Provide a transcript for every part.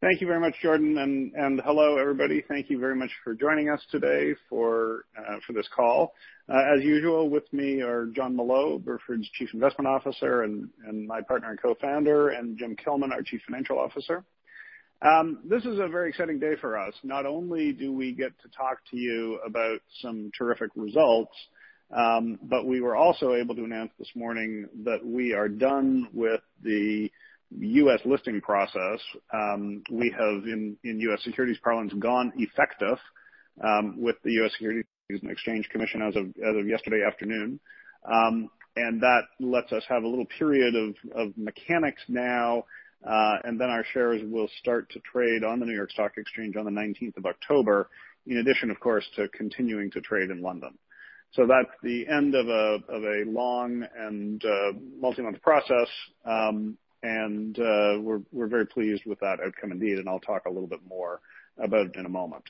Thank you very much, Jordan, and hello everybody. Thank you very much for joining us today for this call. As usual, with me are Jon Molot, Burford's Chief Investment Officer and my partner and co-founder, and Jim Kilman, our Chief Financial Officer. This is a very exciting day for us. Not only do we get to talk to you about some terrific results, but we were also able to announce this morning that we are done with the U.S. listing process. We have, in U.S. securities parlance, gone effective with the U.S. Securities and Exchange Commission as of yesterday afternoon. That lets us have a little period of mechanics now, and then our shares will start to trade on the New York Stock Exchange on the 19th of October, in addition, of course, to continuing to trade in London. That's the end of a long and multi-month process, and we're very pleased with that outcome indeed, and I'll talk a little bit more about it in a moment.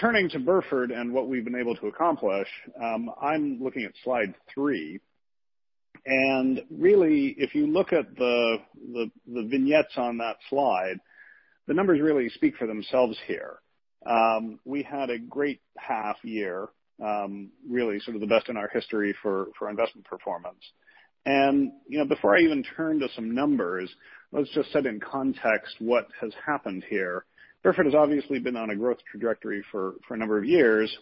Turning to Burford and what we've been able to accomplish, I'm looking at slide three, and really, if you look at the vignettes on that slide, the numbers really speak for themselves here. We had a great half year, really the best in our history for investment performance. Before I even turn to some numbers, let's just set in context what has happened here. Burford has obviously been on a growth trajectory for a number of years,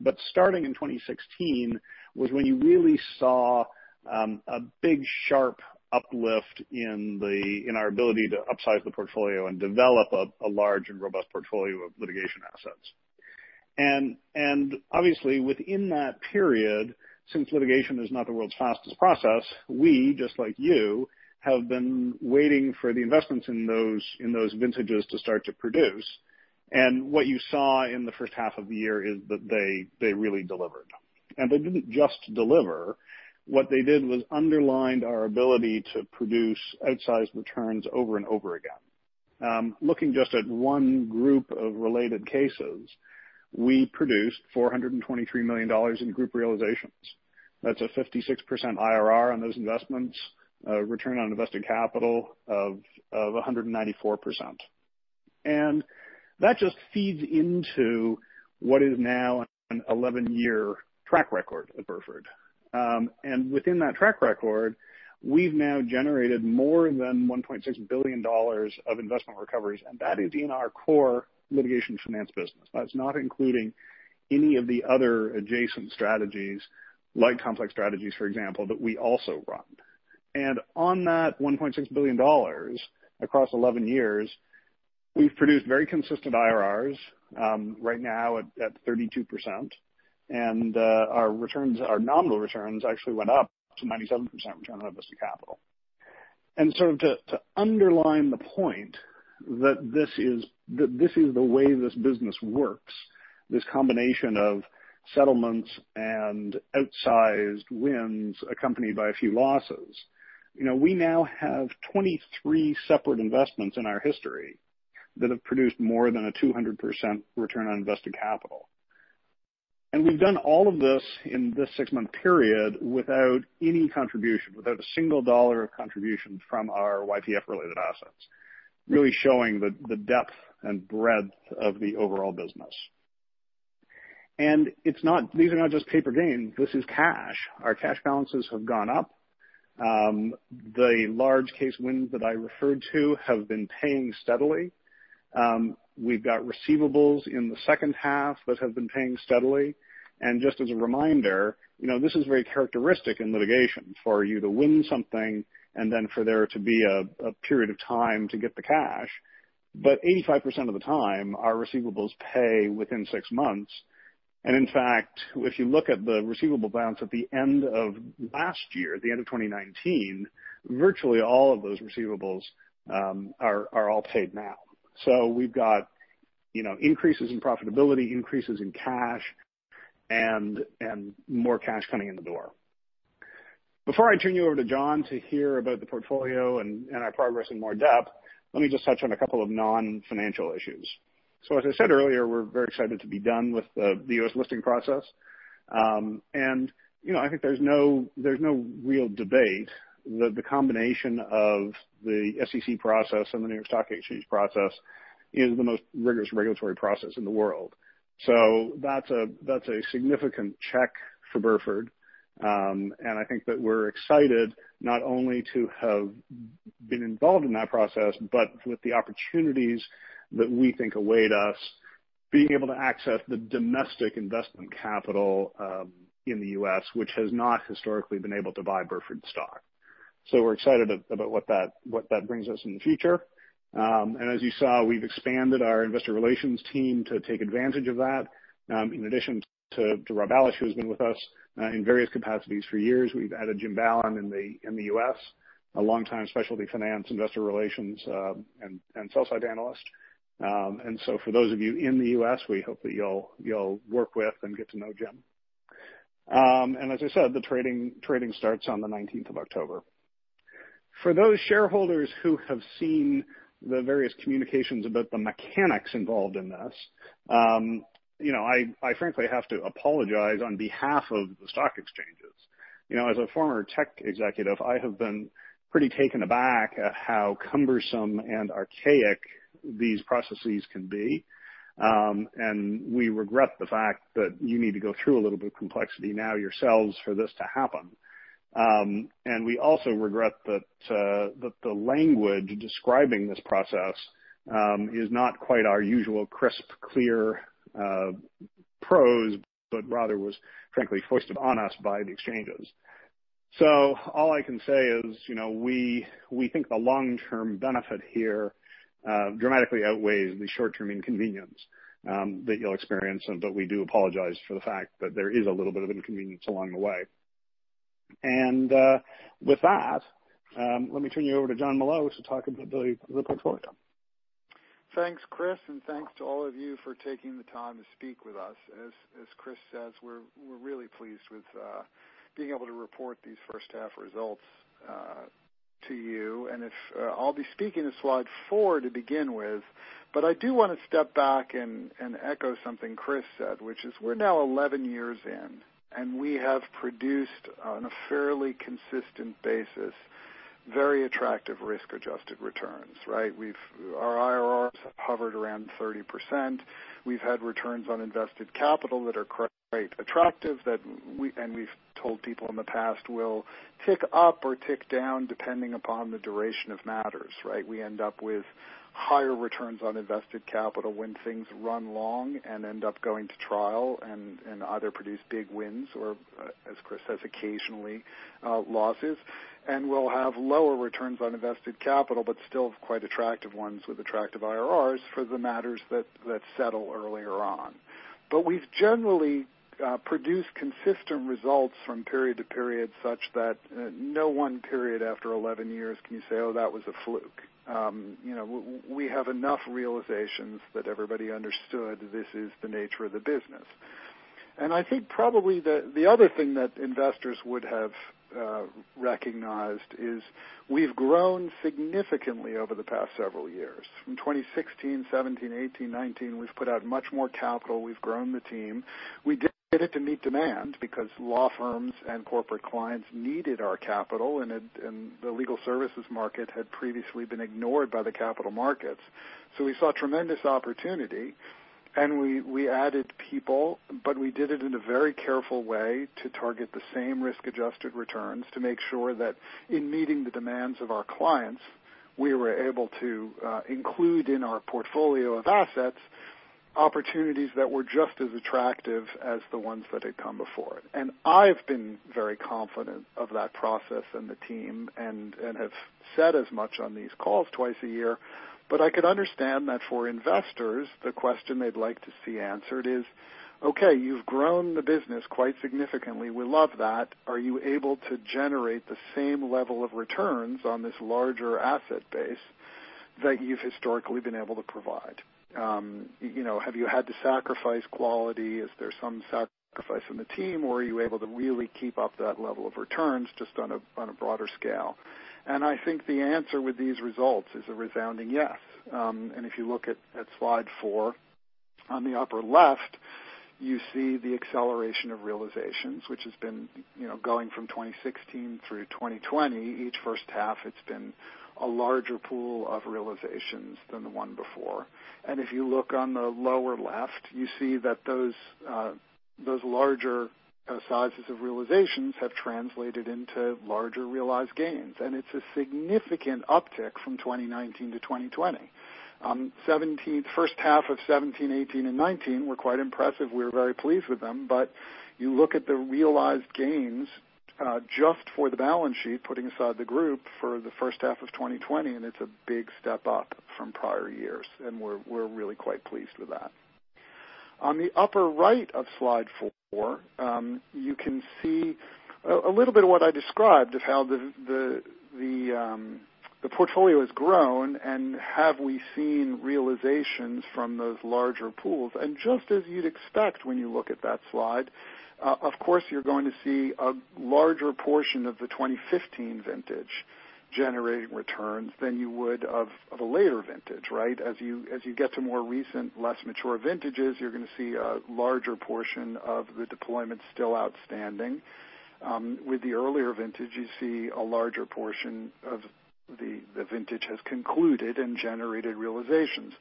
but starting in 2016 was when you really saw a big, sharp uplift in our ability to upsize the portfolio and develop a large and robust portfolio of litigation assets. Obviously within that period, since litigation is not the world's fastest process, we, just like you, have been waiting for the investments in those vintages to start to produce. What you saw in the first half of the year is that they really delivered. They didn't just deliver. What they did was underlined our ability to produce outsized returns over and over again. Looking just at one group of related cases, we produced $423 million in group realizations. That's a 56% IRR on those investments, a return on invested capital of 194%. That just feeds into what is now an 11-year track record at Burford. Within that track record, we've now generated more than $1.6 billion of investment recoveries, and that is in our core litigation finance business. That's not including any of the other adjacent strategies, like complex strategies, for example, that we also run. On that $1.6 billion across 11 years, we've produced very consistent IRRs, right now at 32%, and our nominal returns actually went up to 97% return on invested capital. To underline the point that this is the way this business works, this combination of settlements and outsized wins accompanied by a few losses. We now have 23 separate investments in our history that have produced more than a 200% return on invested capital. We've done all of this in this six-month period without any contribution, without a single dollar of contribution from our YPF-related assets, really showing the depth and breadth of the overall business. These are not just paper gains, this is cash. Our cash balances have gone up. The large case wins that I referred to have been paying steadily. We've got receivables in the second half that have been paying steadily. Just as a reminder, this is very characteristic in litigation for you to win something and then for there to be a period of time to get the cash. 85% of the time, our receivables pay within six months. In fact, if you look at the receivable balance at the end of last year, the end of 2019, virtually all of those receivables are all paid now. We've got increases in profitability, increases in cash, and more cash coming in the door. Before I turn you over to Jon to hear about the portfolio and our progress in more depth, let me just touch on a couple of non-financial issues. As I said earlier, we're very excited to be done with the U.S. listing process. I think there's no real debate that the combination of the SEC process and the New York Stock Exchange process is the most rigorous regulatory process in the world. That's a significant check for Burford, and I think that we're excited not only to have been involved in that process, but with the opportunities that we think await us, being able to access the domestic investment capital in the U.S., which has not historically been able to buy Burford stock. We're excited about what that brings us in the future. As you saw, we've expanded our investor relations team to take advantage of that. In addition to Rob Ballasch, who has been with us in various capacities for years, we have added Jim Ballan in the U.S., a longtime specialty finance investor relations and sell-side analyst. For those of you in the U.S., we hope that you will work with and get to know Jim. As I said, the trading starts on the 19th of October. For those shareholders who have seen the various communications about the mechanics involved in this, I frankly have to apologize on behalf of the stock exchanges. As a former tech executive, I have been pretty taken aback at how cumbersome and archaic these processes can be. We regret the fact that you need to go through a little bit of complexity now yourselves for this to happen. We also regret that the language describing this process is not quite our usual crisp, clear prose, but rather was frankly forced upon us by the exchanges. All I can say is, we think the long-term benefit here dramatically outweighs the short-term inconvenience that you'll experience. We do apologize for the fact that there is a little bit of inconvenience along the way. With that, let me turn you over to Jon Molot to talk about the portfolio. Thanks, Chris, thanks to all of you for taking the time to speak with us. As Chris says, we're really pleased with being able to report these first half results to you. I'll be speaking to slide four to begin with, but I do want to step back and echo something Chris said, which is we're now 11 years in, and we have produced, on a fairly consistent basis, very attractive risk-adjusted returns. Right? Our IRRs have hovered around 30%. We've had returns on invested capital that are quite attractive, and we've told people in the past will tick up or tick down depending upon the duration of matters. Right? We end up with higher returns on invested capital when things run long and end up going to trial, and either produce big wins or, as Chris says, occasionally, losses. We'll have lower returns on invested capital, but still quite attractive ones with attractive IRRs for the matters that settle earlier on. We've generally produced consistent results from period to period, such that no one period after 11 years can you say, "Oh, that was a fluke." We have enough realizations that everybody understood this is the nature of the business. I think probably the other thing that investors would have recognized is we've grown significantly over the past several years. From 2016, 2017, 2018, 2019, we've put out much more capital. We've grown the team. We did it to meet demand because law firms and corporate clients needed our capital, and the legal services market had previously been ignored by the capital markets. We saw tremendous opportunity, and we added people, but we did it in a very careful way to target the same risk-adjusted returns to make sure that in meeting the demands of our clients, we were able to include in our portfolio of assets, opportunities that were just as attractive as the ones that had come before it. I've been very confident of that process and the team and have said as much on these calls twice a year. I could understand that for investors, the question they'd like to see answered is, okay, you've grown the business quite significantly. We love that. Are you able to generate the same level of returns on this larger asset base that you've historically been able to provide? Have you had to sacrifice quality? Is there some sacrifice on the team, or are you able to really keep up that level of returns just on a broader scale? I think the answer with these results is a resounding yes. If you look at slide four, on the upper left, you see the acceleration of realizations, which has been going from 2016 through 2020. Each first half, it's been a larger pool of realizations than the one before. If you look on the lower left, you see that those larger sizes of realizations have translated into larger realized gains. It's a significant uptick from 2019 to 2020. First half of 2017, 2018, and 2019 were quite impressive. We were very pleased with them. You look at the realized gains, just for the balance sheet, putting aside the group for the first half of 2020, it's a big step up from prior years, we're really quite pleased with that. On the upper right of slide four, you can see a little bit of what I described of how the portfolio has grown and have we seen realizations from those larger pools. Just as you'd expect when you look at that slide, of course, you're going to see a larger portion of the 2015 vintage generating returns than you would of a later vintage. Right? As you get to more recent, less mature vintages, you're going to see a larger portion of the deployment still outstanding. With the earlier vintage, you see a larger portion of the vintage has concluded and generated realizations.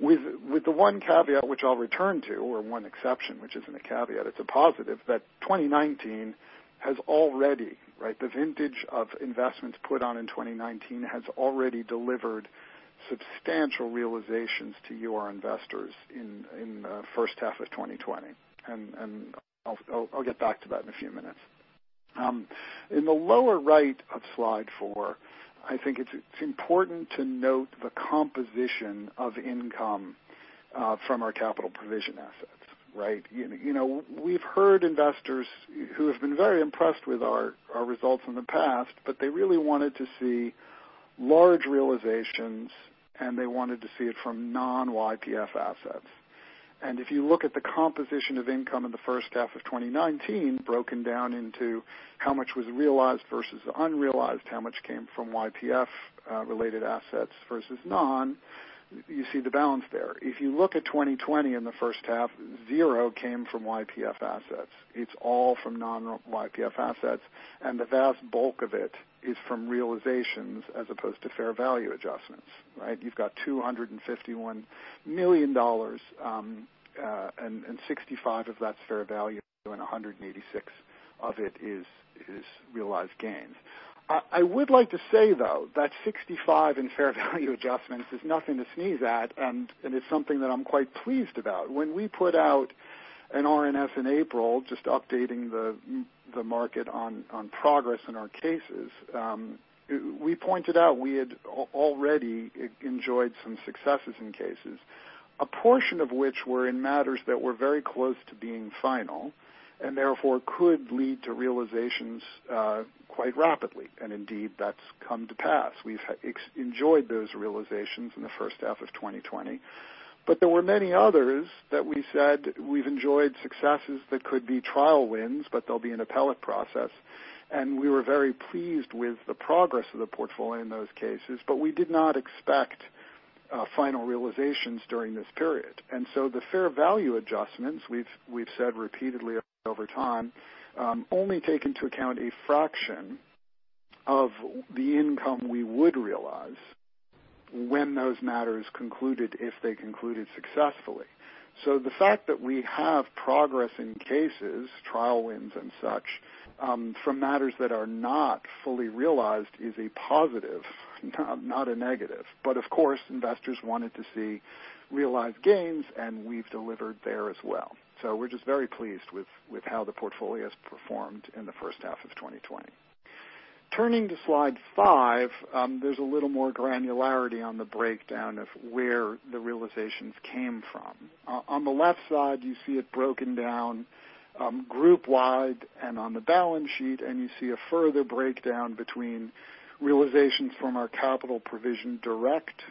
With the one caveat which I'll return to, or one exception, which isn't a caveat, it's a positive, that the vintage of investments put on in 2019 has already delivered substantial realizations to you, our investors, in the first half of 2020. I'll get back to that in a few minutes. In the lower right of slide four, I think it's important to note the composition of income from our capital provision assets. Right? We've heard investors who have been very impressed with our results in the past, but they really wanted to see large realizations, and they wanted to see it from non-YPF assets. If you look at the composition of income in the first half of 2019, broken down into how much was realized versus unrealized, how much came from YPF-related assets versus non-YPF. You see the balance there. If you look at 2020 in the first half, zero came from YPF assets. It's all from non-YPF assets, the vast bulk of it is from realizations as opposed to fair value adjustments, right? You've got $251 million, $65 million of that's fair value, $186 million of it is realized gains. I would like to say, though, that $65 million in fair value adjustments is nothing to sneeze at, it's something that I'm quite pleased about. When we put out an RNS in April, just updating the market on progress in our cases, we pointed out we had already enjoyed some successes in cases, a portion of which were in matters that were very close to being final and therefore could lead to realizations quite rapidly. Indeed, that's come to pass. We've enjoyed those realizations in the first half of 2020. There were many others that we said we've enjoyed successes that could be trial wins, but there'll be an appellate process, and we were very pleased with the progress of the portfolio in those cases, but we did not expect final realizations during this period. The fair value adjustments, we've said repeatedly over time, only take into account a fraction of the income we would realize when those matters concluded if they concluded successfully. The fact that we have progress in cases, trial wins and such, from matters that are not fully realized is a positive, not a negative. Of course, investors wanted to see realized gains, and we've delivered there as well. We're just very pleased with how the portfolio has performed in the first half of 2020. Turning to slide five, there's a little more granularity on the breakdown of where the realizations came from. On the left side, you see it broken down group-wide and on the balance sheet. You see a further breakdown between realizations from our capital provision-direct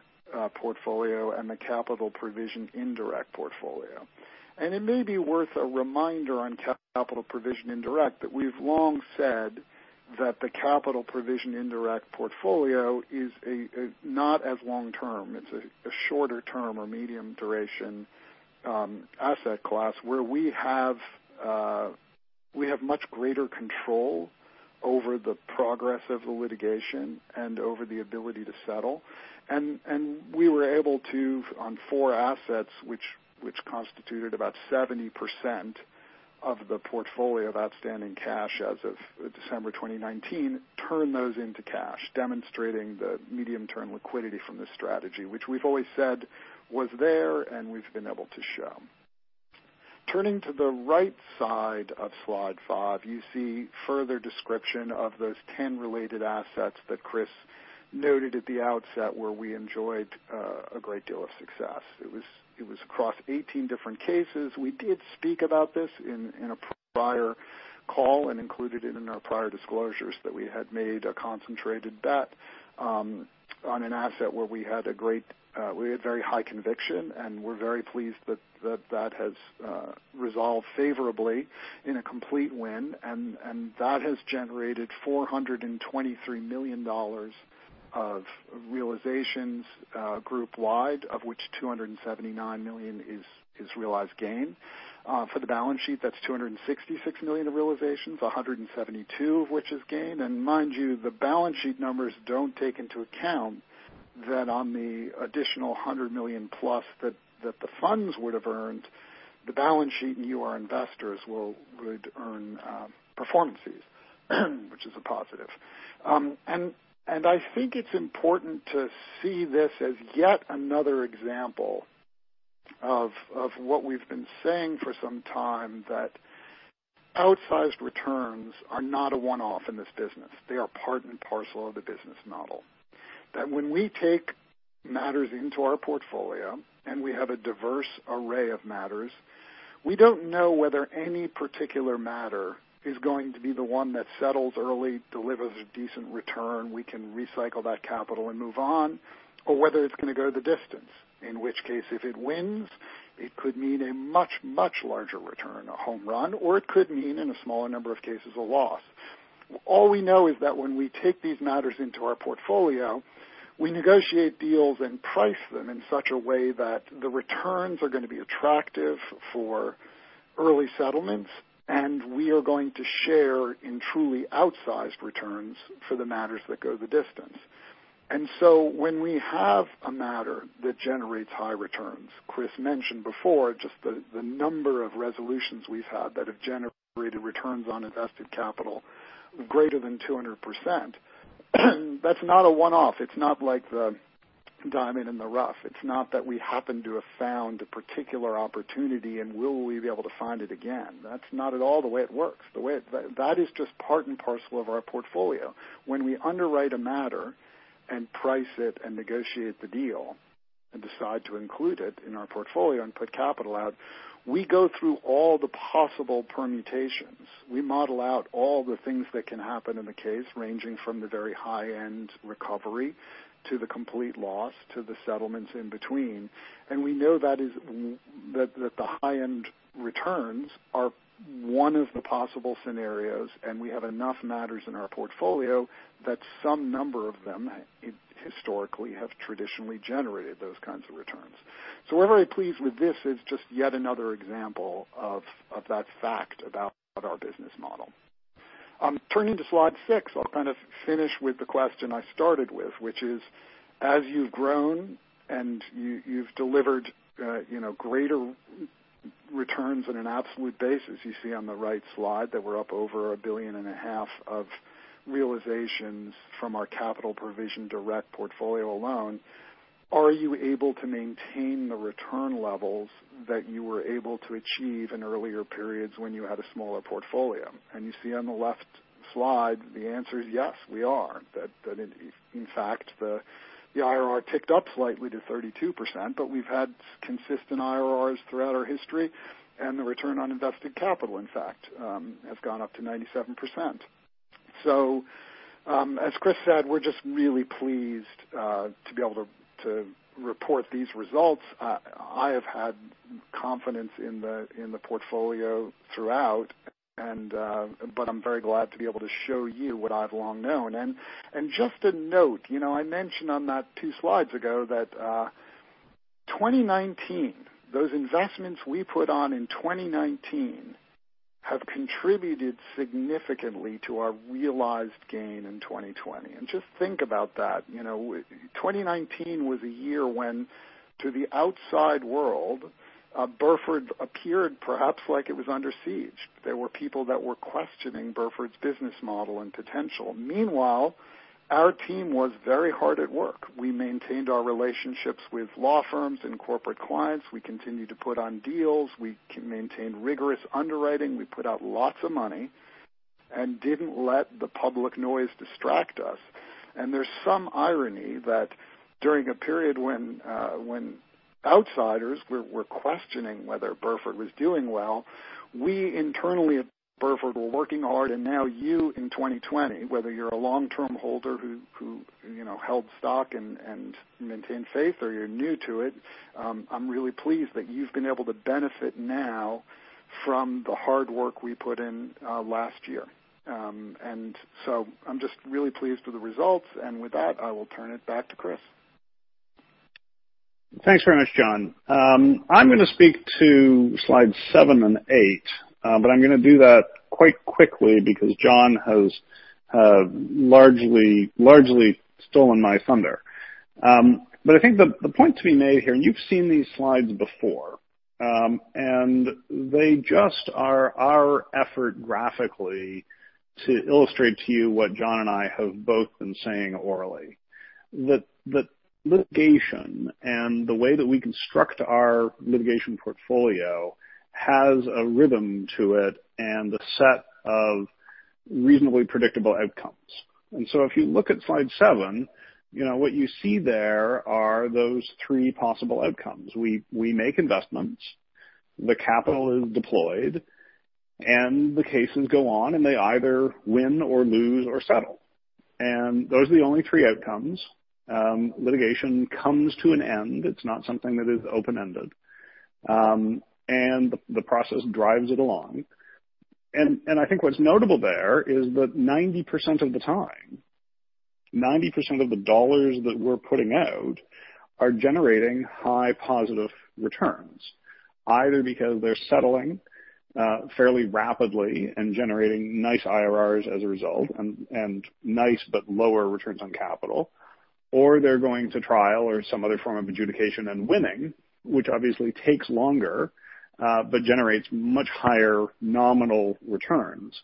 portfolio and the capital provision-indirect portfolio. It may be worth a reminder on capital provision-indirect that we've long said that the capital provision-indirect portfolio is not as long-term. It's a shorter term or medium duration asset class where we have much greater control over the progress of the litigation and over the ability to settle. We were able to, on four assets, which constituted about 70% of the portfolio of outstanding cash as of December 2019, turn those into cash, demonstrating the medium-term liquidity from this strategy, which we've always said was there, and we've been able to show. Turning to the right side of slide five, you see further description of those 10 related assets that Chris noted at the outset, where we enjoyed a great deal of success. It was across 18 different cases. We did speak about this in a prior call and included it in our prior disclosures that we had made a concentrated bet on an asset where we had very high conviction, and we're very pleased that that has resolved favorably in a complete win. That has generated $423 million of realizations group-wide, of which $279 million is realized gain. For the balance sheet, that's $266 million of realizations, $172 million of which is gain. Mind you, the balance sheet numbers don't take into account that on the additional $100 million plus that the funds would have earned, the balance sheet and you, our investors, would earn performance fees, which is a positive. I think it's important to see this as yet another example of what we've been saying for some time, that outsized returns are not a one-off in this business. They are part and parcel of the business model. That when we take matters into our portfolio and we have a diverse array of matters, we don't know whether any particular matter is going to be the one that settles early, delivers a decent return, we can recycle that capital and move on, or whether it's going to go the distance. In which case, if it wins, it could mean a much, much larger return, a home run, or it could mean, in a smaller number of cases, a loss. All we know is that when we take these matters into our portfolio, we negotiate deals and price them in such a way that the returns are going to be attractive for early settlements, and we are going to share in truly outsized returns for the matters that go the distance. When we have a matter that generates high returns, Chris mentioned before just the number of resolutions we've had that have generated returns on invested capital greater than 200%. That's not a one-off. It's not like the diamond in the rough. It's not that we happen to have found a particular opportunity and will we be able to find it again? That's not at all the way it works. That is just part and parcel of our portfolio. When we underwrite a matter and price it and negotiate the deal and decide to include it in our portfolio and put capital out, we go through all the possible permutations. We model out all the things that can happen in the case, ranging from the very high-end recovery to the complete loss to the settlements in between. We know that the high-end returns are one of the possible scenarios, and we have enough matters in our portfolio that some number of them, historically, have traditionally generated those kinds of returns. We're very pleased with this as just yet another example of that fact about our business model. Turning to slide six, I'll kind of finish with the question I started with, which is as you've grown and you've delivered greater returns on an absolute basis, you see on the right slide that we're up over $1.5 billion of realizations from our capital provision-direct portfolio alone. Are you able to maintain the return levels that you were able to achieve in earlier periods when you had a smaller portfolio? You see on the left slide, the answer is yes, we are. That in fact, the IRR ticked up slightly to 32%, but we've had consistent IRRs throughout our history, and the return on invested capital, in fact, has gone up to 97%. As Chris said, we're just really pleased to be able to report these results. I have had confidence in the portfolio throughout, I'm very glad to be able to show you what I've long known. Just a note, I mentioned on that two slides ago that 2019, those investments we put on in 2019 have contributed significantly to our realized gain in 2020. Just think about that. 2019 was a year when, to the outside world, Burford appeared perhaps like it was under siege. There were people that were questioning Burford's business model and potential. Meanwhile, our team was very hard at work. We maintained our relationships with law firms and corporate clients. We continued to put on deals. We maintained rigorous underwriting. We put out lots of money and didn't let the public noise distract us. There's some irony that during a period when outsiders were questioning whether Burford was doing well, we internally at Burford were working hard, now you in 2020, whether you're a long-term holder who held stock and maintained faith or you're new to it, I'm really pleased that you've been able to benefit now from the hard work we put in last year. I'm just really pleased with the results. With that, I will turn it back to Chris. Thanks very much, Jon. I'm going to speak to slide seven and eight, I'm going to do that quite quickly because Jon has largely stolen my thunder. I think the point to be made here, you've seen these slides before, they just are our effort graphically to illustrate to you what Jon and I have both been saying orally, that litigation and the way that we construct our litigation portfolio has a rhythm to it and a set of reasonably predictable outcomes. If you look at slide seven, what you see there are those three possible outcomes. We make investments, the capital is deployed, the cases go on, they either win or lose or settle. Those are the only three outcomes. Litigation comes to an end. It's not something that is open-ended. The process drives it along. I think what's notable there is that 90% of the time, 90% of the dollars that we're putting out are generating high positive returns, either because they're settling fairly rapidly and generating nice IRRs as a result, and nice but lower returns on capital, or they're going to trial or some other form of adjudication and winning, which obviously takes longer but generates much higher nominal returns.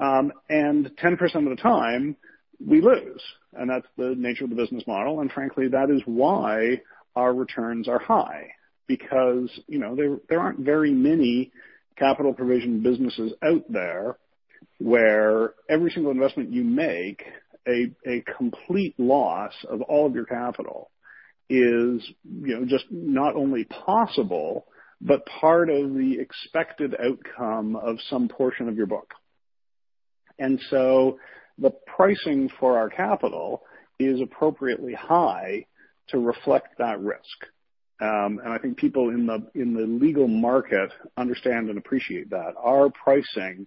10% of the time, we lose. That's the nature of the business model. Frankly, that is why our returns are high, because there aren't very many capital provision businesses out there where every single investment you make, a complete loss of all of your capital is just not only possible, but part of the expected outcome of some portion of your book. The pricing for our capital is appropriately high to reflect that risk. I think people in the legal market understand and appreciate that. Our pricing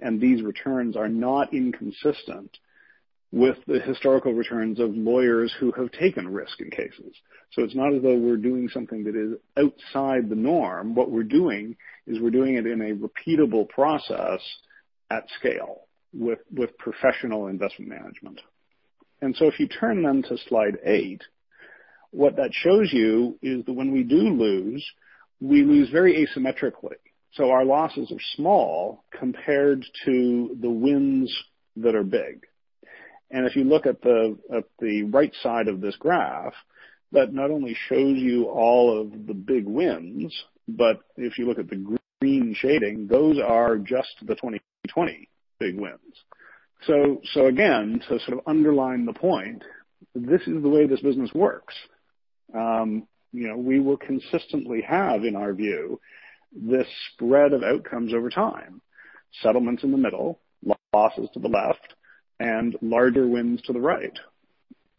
and these returns are not inconsistent with the historical returns of lawyers who have taken risk in cases. It's not as though we're doing something that is outside the norm. What we're doing is we're doing it in a repeatable process at scale with professional investment management. If you turn then to slide eight, what that shows you is that when we do lose, we lose very asymmetrically. Our losses are small compared to the wins that are big. If you look at the right side of this graph, that not only shows you all of the big wins, but if you look at the green shading, those are just the 2020 big wins. Again, to sort of underline the point, this is the way this business works. We will consistently have, in our view, this spread of outcomes over time. Settlements in the middle, losses to the left, and larger wins to the right.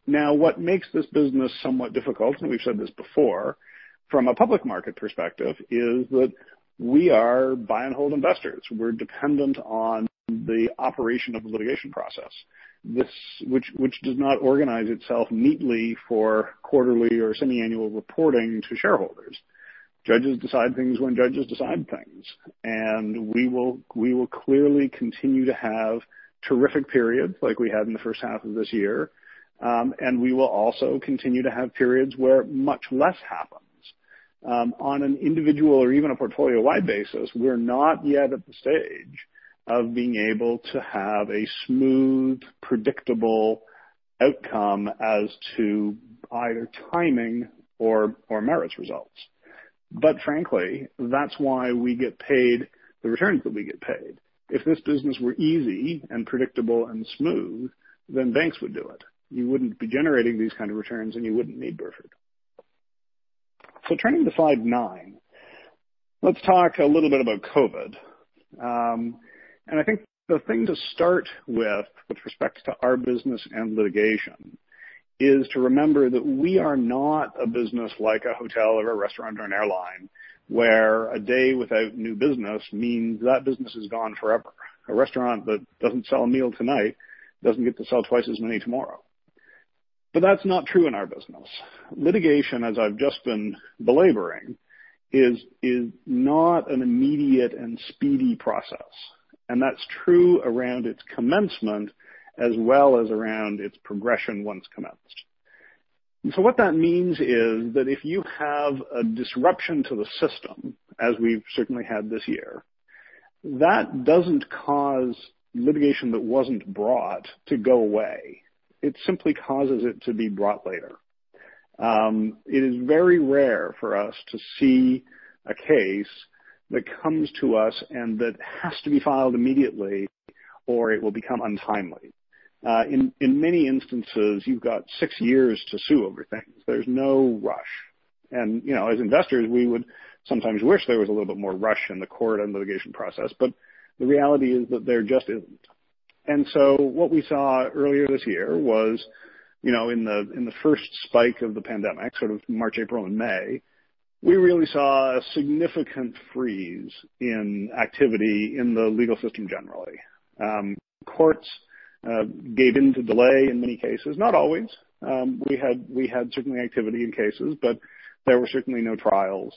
What makes this business somewhat difficult, and we've said this before, from a public market perspective, is that we are buy and hold investors. We're dependent on the operation of the litigation process, which does not organize itself neatly for quarterly or semi-annual reporting to shareholders. Judges decide things when judges decide things, and we will clearly continue to have terrific periods like we had in the first half of this year, and we will also continue to have periods where much less happens. On an individual or even a portfolio-wide basis, we're not yet at the stage of being able to have a smooth, predictable outcome as to either timing or merits results. Frankly, that's why we get paid the returns that we get paid. If this business were easy and predictable and smooth, then banks would do it. You wouldn't be generating these kind of returns, and you wouldn't need Burford. Turning to slide nine, let's talk a little bit about COVID. I think the thing to start with respect to our business and litigation, is to remember that we are not a business like a hotel or a restaurant or an airline, where a day without new business means that business is gone forever. A restaurant that doesn't sell a meal tonight doesn't get to sell twice as many tomorrow. That's not true in our business. Litigation, as I've just been belaboring, is not an immediate and speedy process, and that's true around its commencement as well as around its progression once commenced. What that means is that if you have a disruption to the system, as we've certainly had this year, that doesn't cause litigation that wasn't brought to go away. It simply causes it to be brought later. It is very rare for us to see a case that comes to us and that has to be filed immediately, or it will become untimely. In many instances, you've got six years to sue over things. There's no rush. As investors, we would sometimes wish there was a little bit more rush in the court and litigation process. The reality is that there just isn't. What we saw earlier this year was in the first spike of the pandemic, sort of March, April, and May, we really saw a significant freeze in activity in the legal system generally. Courts gave in to delay in many cases. Not always. We had certainly activity in cases, but there were certainly no trials,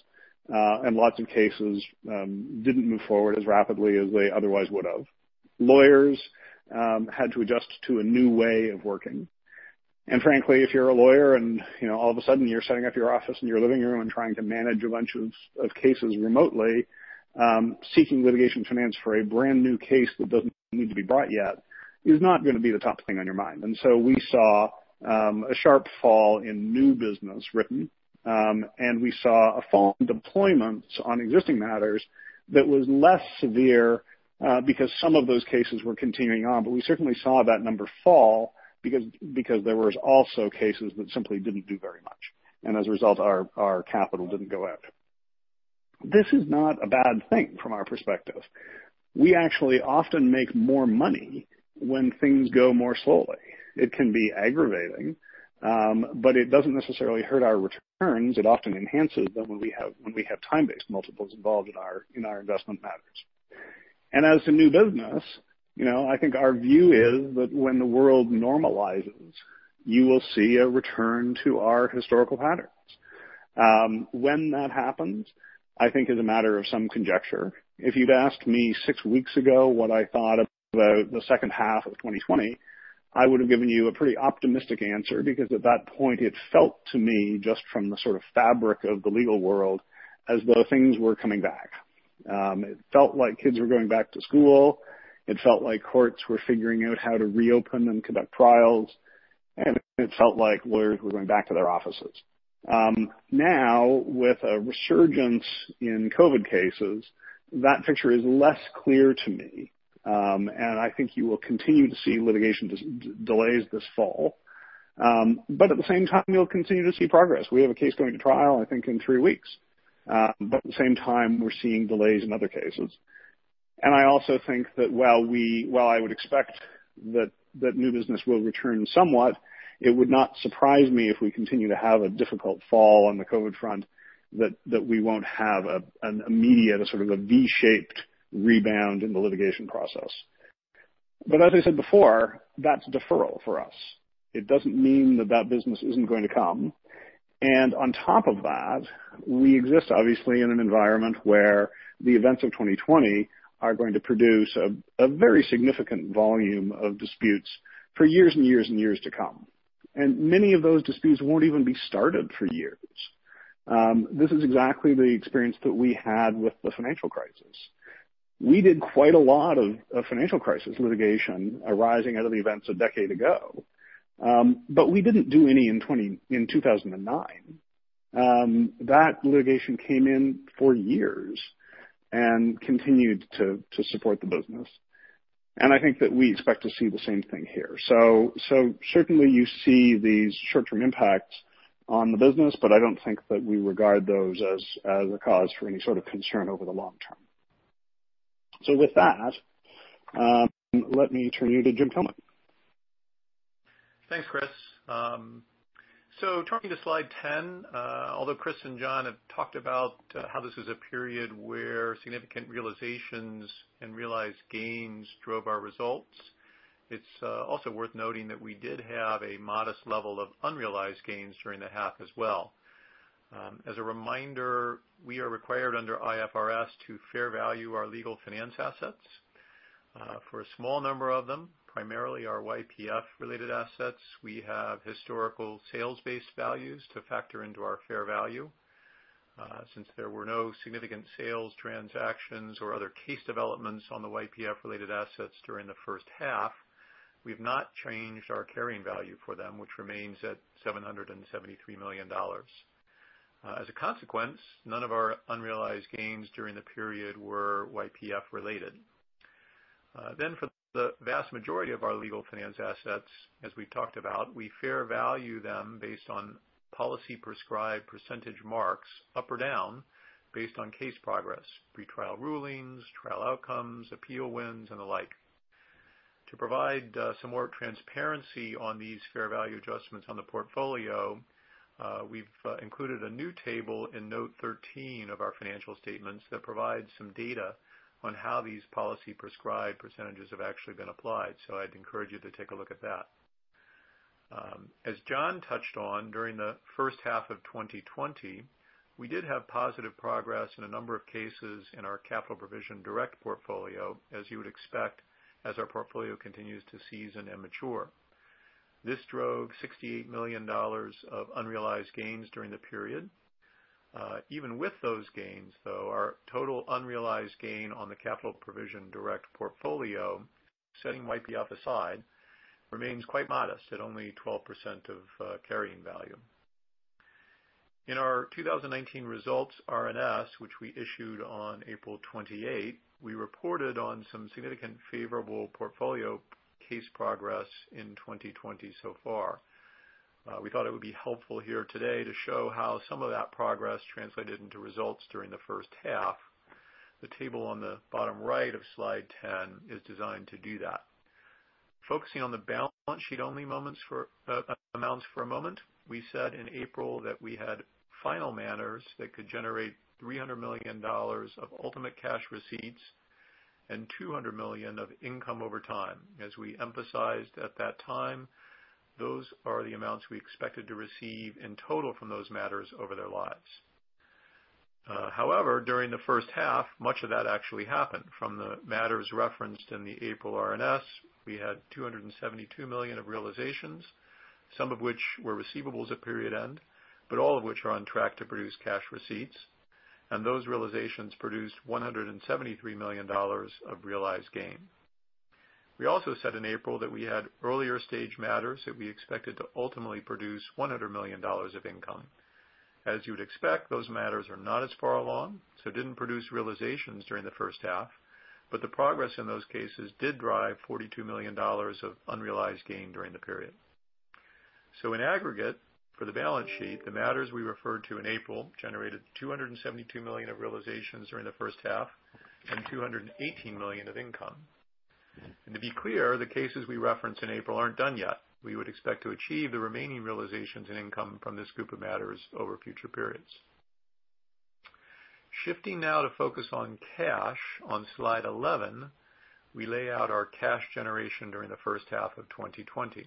and lots of cases didn't move forward as rapidly as they otherwise would have. Lawyers had to adjust to a new way of working. Frankly, if you're a lawyer and all of a sudden you're setting up your office in your living room and trying to manage a bunch of cases remotely, seeking litigation finance for a brand-new case that doesn't need to be brought yet is not going to be the top thing on your mind. We saw a sharp fall in new business written, and we saw a fall in deployments on existing matters that was less severe because some of those cases were continuing on. We certainly saw that number fall because there was also cases that simply didn't do very much, and as a result, our capital didn't go out. This is not a bad thing from our perspective. We actually often make more money when things go more slowly. It can be aggravating, but it doesn't necessarily hurt our returns. It often enhances them when we have time-based multiples involved in our investment matters. As to new business, I think our view is that when the world normalizes, you will see a return to our historical patterns. When that happens, I think, is a matter of some conjecture. If you'd asked me six weeks ago what I thought about the second half of 2020, I would have given you a pretty optimistic answer because at that point, it felt to me, just from the sort of fabric of the legal world, as though things were coming back. It felt like kids were going back to school. It felt like courts were figuring out how to reopen and conduct trials, and it felt like lawyers were going back to their offices. Now, with a resurgence in COVID cases, that picture is less clear to me, and I think you will continue to see litigation delays this fall. At the same time, you'll continue to see progress. We have a case going to trial, I think, in three weeks. At the same time, we're seeing delays in other cases. I also think that while I would expect that new business will return somewhat, it would not surprise me if we continue to have a difficult fall on the COVID front, that we won't have an immediate, a sort of a V-shaped rebound in the litigation process. As I said before, that's deferral for us. It doesn't mean that that business isn't going to come. On top of that, we exist, obviously, in an environment where the events of 2020 are going to produce a very significant volume of disputes for years and years and years to come, and many of those disputes won't even be started for years. This is exactly the experience that we had with the financial crisis. We did quite a lot of financial crisis litigation arising out of the events a decade ago, but we didn't do any in 2009. That litigation came in for years and continued to support the business. I think that we expect to see the same thing here. Certainly you see these short-term impacts on the business, but I don't think that we regard those as a cause for any sort of concern over the long term. With that, let me turn you to Jim Kilman. Thanks, Chris. Turning to slide 10, although Chris and Jon have talked about how this is a period where significant realizations and realized gains drove our results, it's also worth noting that we did have a modest level of unrealized gains during the half as well. As a reminder, we are required under IFRS to fair value our legal finance assets. For a small number of them, primarily our YPF related assets, we have historical sales-based values to factor into our fair value. Since there were no significant sales transactions or other case developments on the YPF related assets during the first half, we've not changed our carrying value for them, which remains at $773 million. None of our unrealized gains during the period were YPF related. For the vast majority of our legal finance assets, as we've talked about, we fair value them based on policy prescribed % marks up or down based on case progress, pretrial rulings, trial outcomes, appeal wins, and the like. To provide some more transparency on these fair value adjustments on the portfolio, we've included a new table in note 13 of our financial statements that provide some data on how these policy prescribed % have actually been applied. I'd encourage you to take a look at that. As Jon touched on, during the first half of 2020, we did have positive progress in a number of cases in our capital provision-direct portfolio, as you would expect, as our portfolio continues to season and mature. This drove $68 million of unrealized gains during the period. Even with those gains, though, our total unrealized gain on the capital provision-direct portfolio, setting YPF aside, remains quite modest at only 12% of carrying value. In our 2019 results, RNS, which we issued on April 28, we reported on some significant favorable portfolio case progress in 2020 so far. We thought it would be helpful here today to show how some of that progress translated into results during the first half. The table on the bottom right of slide 10 is designed to do that. Focusing on the balance sheet only amounts for a moment, we said in April that we had final matters that could generate $300 million of ultimate cash receipts and $200 million of income over time. As we emphasized at that time, those are the amounts we expected to receive in total from those matters over their lives. However, during the first half, much of that actually happened. From the matters referenced in the April RNS, we had $272 million of realizations, some of which were receivables at period end, but all of which are on track to produce cash receipts. Those realizations produced $173 million of realized gain. We also said in April that we had earlier stage matters that we expected to ultimately produce $100 million of income. As you would expect, those matters are not as far along, so didn't produce realizations during the first half, but the progress in those cases did drive $42 million of unrealized gain during the period. In aggregate, for the balance sheet, the matters we referred to in April generated $272 million of realizations during the first half and $218 million of income. To be clear, the cases we referenced in April aren't done yet. We would expect to achieve the remaining realizations and income from this group of matters over future periods. Shifting now to focus on cash, on slide 11, we lay out our cash generation during the first half of 2020.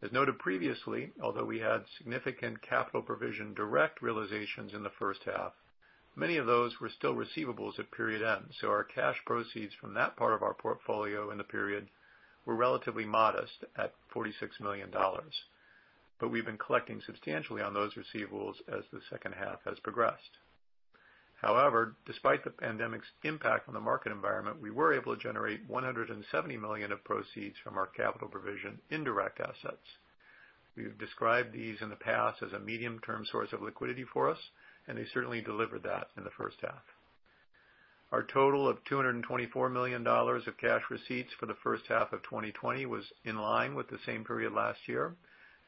As noted previously, although we had significant capital provision-direct realizations in the first half, many of those were still receivables at period end, so our cash proceeds from that part of our portfolio in the period were relatively modest at $46 million. We've been collecting substantially on those receivables as the second half has progressed. However, despite the pandemic's impact on the market environment, we were able to generate $170 million of proceeds from our capital provision-indirect assets. We've described these in the past as a medium-term source of liquidity for us, and they certainly delivered that in the first half. Our total of $224 million of cash receipts for the first half of 2020 was in line with the same period last year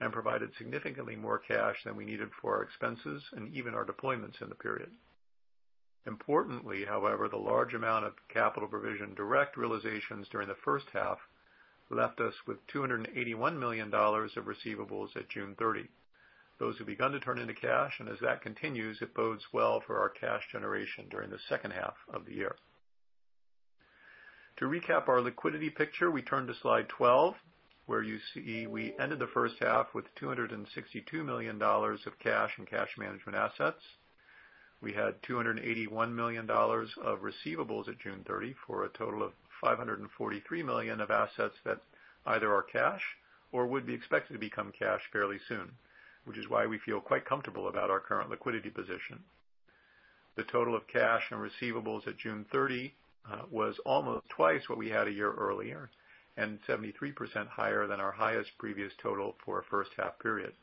and provided significantly more cash than we needed for our expenses and even our deployments in the period. Importantly, however, the large amount of capital provision-direct realizations during the first half left us with $281 million of receivables at June 30. Those have begun to turn into cash, and as that continues, it bodes well for our cash generation during the second half of the year. To recap our liquidity picture, we turn to slide 12, where you see we ended the first half with $262 million of cash and cash management assets. We had $281 million of receivables at June 30 for a total of $543 million of assets that either are cash or would be expected to become cash fairly soon, which is why we feel quite comfortable about our current liquidity position. The total of cash and receivables at June 30 was almost twice what we had a year earlier and 73% higher than our highest previous total for a first half period.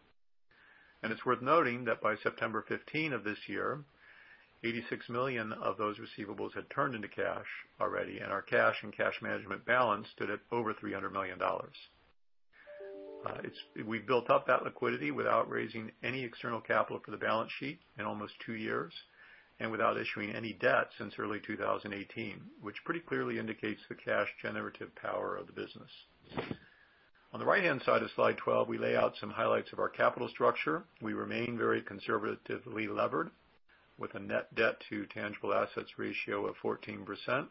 It's worth noting that by September 15 of this year, $86 million of those receivables had turned into cash already, and our cash and cash management balance stood at over $300 million. We've built up that liquidity without raising any external capital for the balance sheet in almost two years, and without issuing any debt since early 2018, which pretty clearly indicates the cash generative power of the business. On the right-hand side of slide 12, we lay out some highlights of our capital structure. We remain very conservatively levered with a net debt to tangible assets ratio of 14%,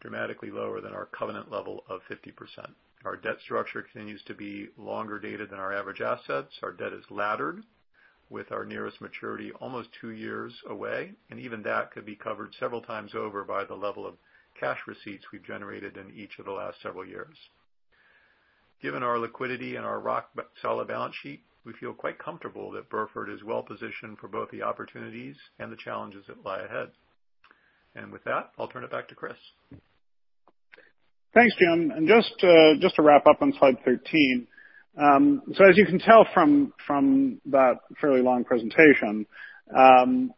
dramatically lower than our covenant level of 50%. Our debt structure continues to be longer dated than our average assets. Our debt is laddered with our nearest maturity almost two years away, and even that could be covered several times over by the level of cash receipts we've generated in each of the last several years. Given our liquidity and our rock solid balance sheet, we feel quite comfortable that Burford is well positioned for both the opportunities and the challenges that lie ahead. With that, I'll turn it back to Chris. Thanks, Jim. Just to wrap up on slide 13. As you can tell from that fairly long presentation,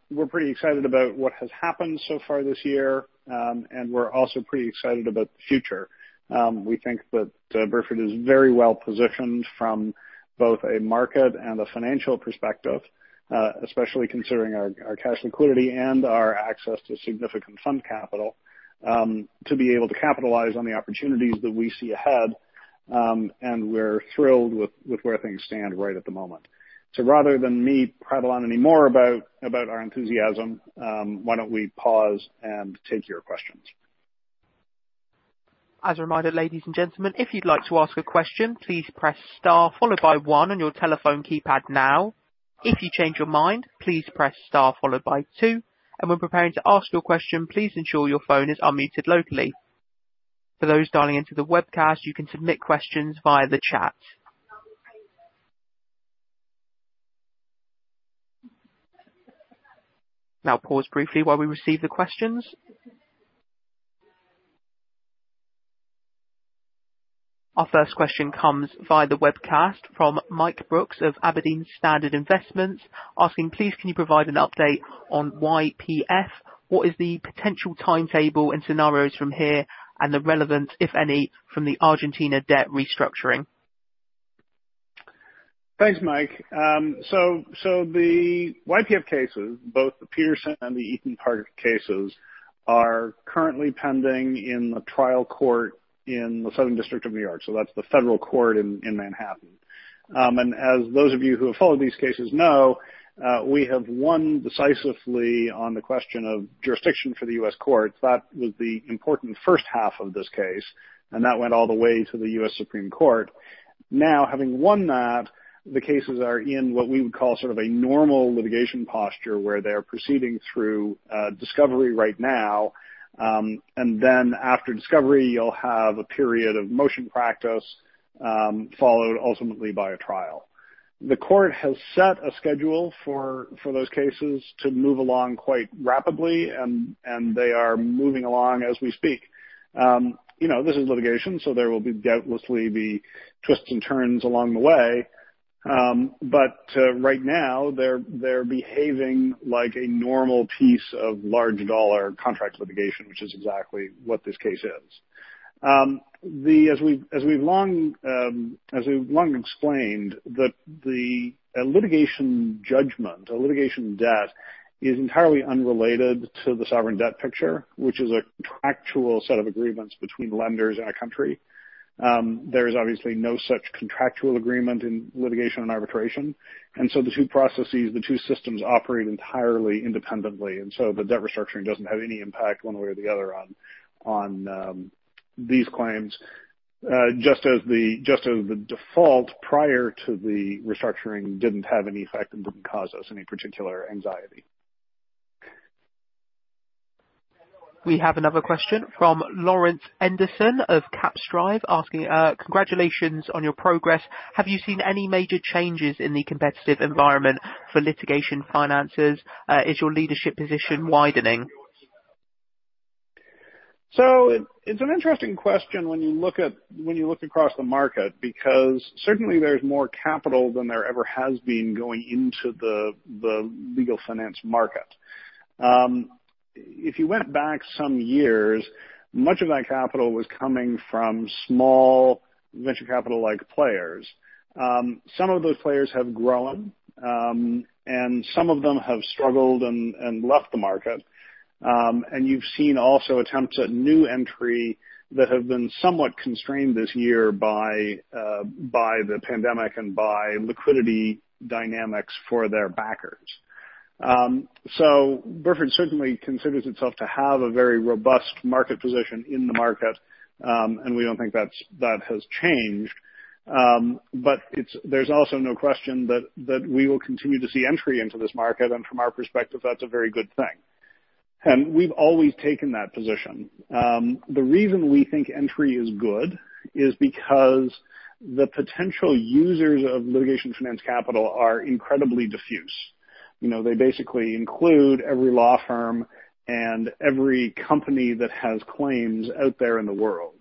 we're pretty excited about what has happened so far this year. We're also pretty excited about the future. We think that Burford is very well positioned from both a market and a financial perspective, especially considering our cash liquidity and our access to significant fund capital, to be able to capitalize on the opportunities that we see ahead. We're thrilled with where things stand right at the moment. Rather than me prattle on any more about our enthusiasm, why don't we pause and take your questions? As a reminder, ladies and gentlemen, if you'd like to ask a question, please press star followed by one on your telephone keypad now. If you change your mind, please press star followed by two, and when preparing to ask your question, please ensure your phone is unmuted locally. For those dialing into the webcast, you can submit questions via the chat. Now pause briefly while we receive the questions. Our first question comes via the webcast from Mike Brooks of Aberdeen Standard Investments asking, "Please, can you provide an update on YPF? What is the potential timetable and scenarios from here and the relevance, if any, from the Argentina debt restructuring? Thanks, Mike. The YPF cases, both the Petersen and the Eton Park cases, are currently pending in the trial court in the Southern District of New York. That's the federal court in Manhattan. As those of you who have followed these cases know, we have won decisively on the question of jurisdiction for the U.S. courts. That was the important first half of this case, and that went all the way to the U.S. Supreme Court. Having won that, the cases are in what we would call sort of a normal litigation posture, where they're proceeding through discovery right now. After discovery, you'll have a period of motion practice, followed ultimately by a trial. The court has set a schedule for those cases to move along quite rapidly, and they are moving along as we speak. This is litigation. There will doubtlessly be twists and turns along the way. Right now they're behaving like a normal piece of large dollar contracts litigation, which is exactly what this case is. As we've long explained that the litigation judgment or litigation debt is entirely unrelated to the sovereign debt picture, which is a contractual set of agreements between lenders and a country. There is obviously no such contractual agreement in litigation and arbitration. The two processes, the two systems operate entirely independently. The debt restructuring doesn't have any impact one way or the other on these claims, just as the default prior to the restructuring didn't have any effect and didn't cause us any particular anxiety. We have another question from Laurence Endersen of Capstrive asking, "Congratulations on your progress. Have you seen any major changes in the competitive environment for litigation finances? Is your leadership position widening? It's an interesting question when you look across the market, because certainly there's more capital than there ever has been going into the legal finance market. If you went back some years, much of that capital was coming from small venture capital-like players. Some of those players have grown, and some of them have struggled and left the market. You've seen also attempts at new entry that have been somewhat constrained this year by the pandemic and by liquidity dynamics for their backers. Burford certainly considers itself to have a very robust market position in the market, and we don't think that has changed. There's also no question that we will continue to see entry into this market, and from our perspective, that's a very good thing. We've always taken that position. The reason we think entry is good is because the potential users of litigation finance capital are incredibly diffuse. They basically include every law firm and every company that has claims out there in the world.